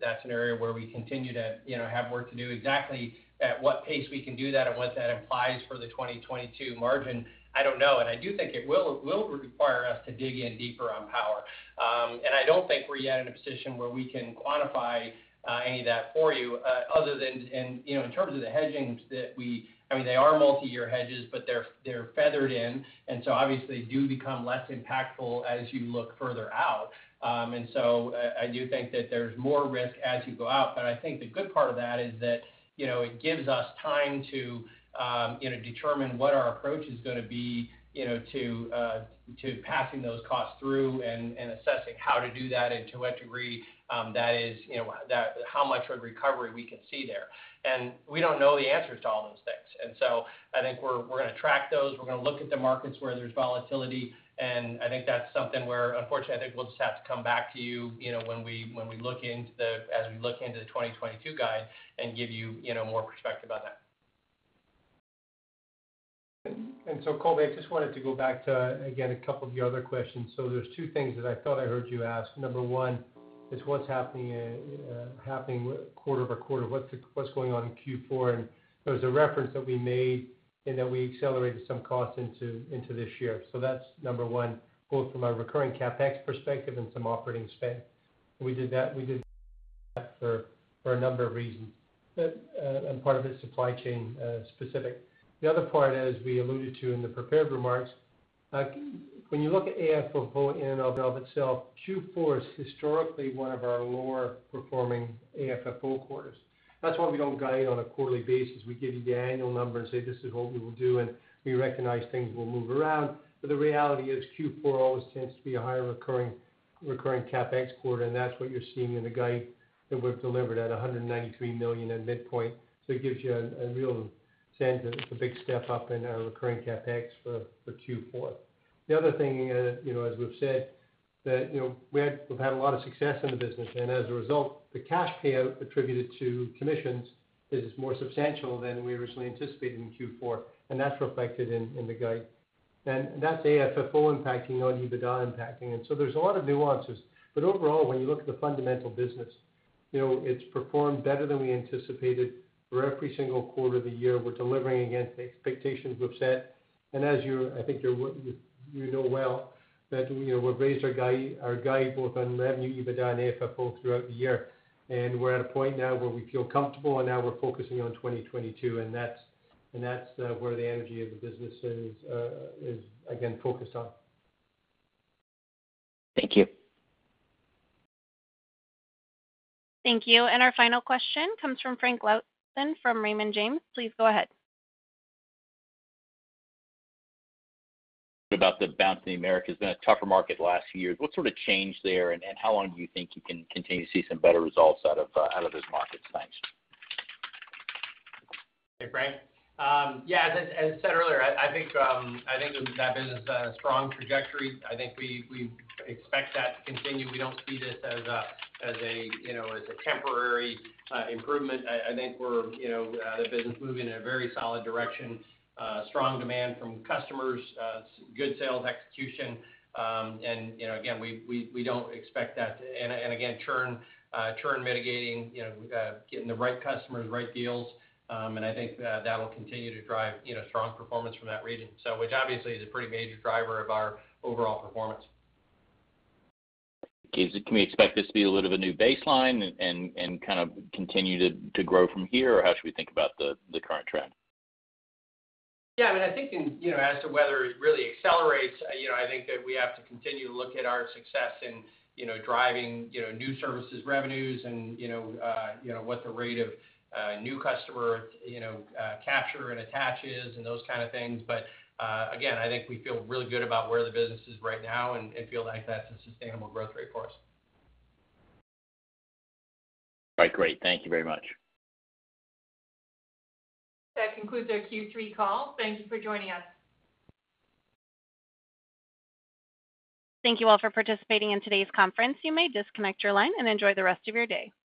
that's an area where we continue to, you know, have work to do. Exactly at what pace we can do that and what that implies for the 2022 margin, I don't know. I do think it will require us to dig in deeper on power. I don't think we're yet in a position where we can quantify any of that for you, other than you know, in terms of the hedges I mean, they are multi-year hedges, but they're feathered in, and so obviously do become less impactful as you look further out. I do think that there's more risk as you go out, but I think the good part of that is that, you know, it gives us time to determine what our approach is gonna be, you know, to passing those costs through and assessing how to do that and to what degree, that is, you know, how much of recovery we can see there. We don't know the answers to all those things. So I think we're gonna track those. We're gonna look at the markets where there's volatility, and I think that's something where unfortunately, I think we'll just have to come back to you know, when we look into the 2022 guide and give you know, more perspective on that. Colby, I just wanted to go back to, again, a couple of your other questions. There's two things that I thought I heard you ask. Number one is what's happening quarter-over-quarter. What's going on in Q4? There was a reference that we made in that we accelerated some costs into this year. That's number one, both from a recurring CapEx perspective and some operating spend. We did that for a number of reasons. Part of it is supply chain specific. The other part, as we alluded to in the prepared remarks, when you look at AFFO in and of itself, Q4 is historically one of our lower performing AFFO quarters. That's why we don't guide on a quarterly basis. We give you the annual number and say, "This is what we will do," and we recognize things will move around. The reality is Q4 always tends to be a higher recurring CapEx quarter, and that's what you're seeing in the guide that we've delivered at $193 million at midpoint. It gives you a real sense of it's a big step up in our recurring CapEx for Q4. The other thing is, you know, as we've said, you know, we had a lot of success in the business, and as a result, the cash payout attributed to commissions is more substantial than we originally anticipated in Q4, and that's reflected in the guide. That's AFFO impacting on EBITDA impacting. There's a lot of nuances. Overall, when you look at the fundamental business, you know, it's performed better than we anticipated for every single quarter of the year. We're delivering against the expectations we've set. You know well that, you know, we've raised our guide both on revenue, EBITDA, and AFFO throughout the year. We're at a point now where we feel comfortable, and now we're focusing on 2022, and that's where the energy of the business is again focused on. Thank you. Thank you. Our final question comes from Frank Louthan from Raymond James. Please go ahead. About the bounce in the Americas, it's been a tougher market the last few years. What sort of changed there, and how long do you think you can continue to see some better results out of those markets? Thanks. Hey, Frank. Yeah, as I said earlier, I think that business has a strong trajectory. I think we expect that to continue. We don't see this as a you know, as a temporary improvement. I think we're you know, the business moving in a very solid direction. Strong demand from customers, good sales execution. You know, again, we don't expect that. Again, churn mitigating, you know, getting the right customers, right deals. I think that will continue to drive you know, strong performance from that region. Which obviously is a pretty major driver of our overall performance. Can we expect this to be a little bit of a new baseline and kind of continue to grow from here? How should we think about the current trend? Yeah. I mean, I think in, you know, as to whether it really accelerates, you know, I think that we have to continue to look at our success in, you know, driving, you know, new services revenues and, you know, what the rate of new customer, you know, capture and attach is and those kind of things. But, again, I think we feel really good about where the business is right now and feel like that's a sustainable growth rate for us. All right, great. Thank you very much. That concludes our Q3 call. Thank you for joining us. Thank you all for participating in today's conference. You may disconnect your line and enjoy the rest of your day.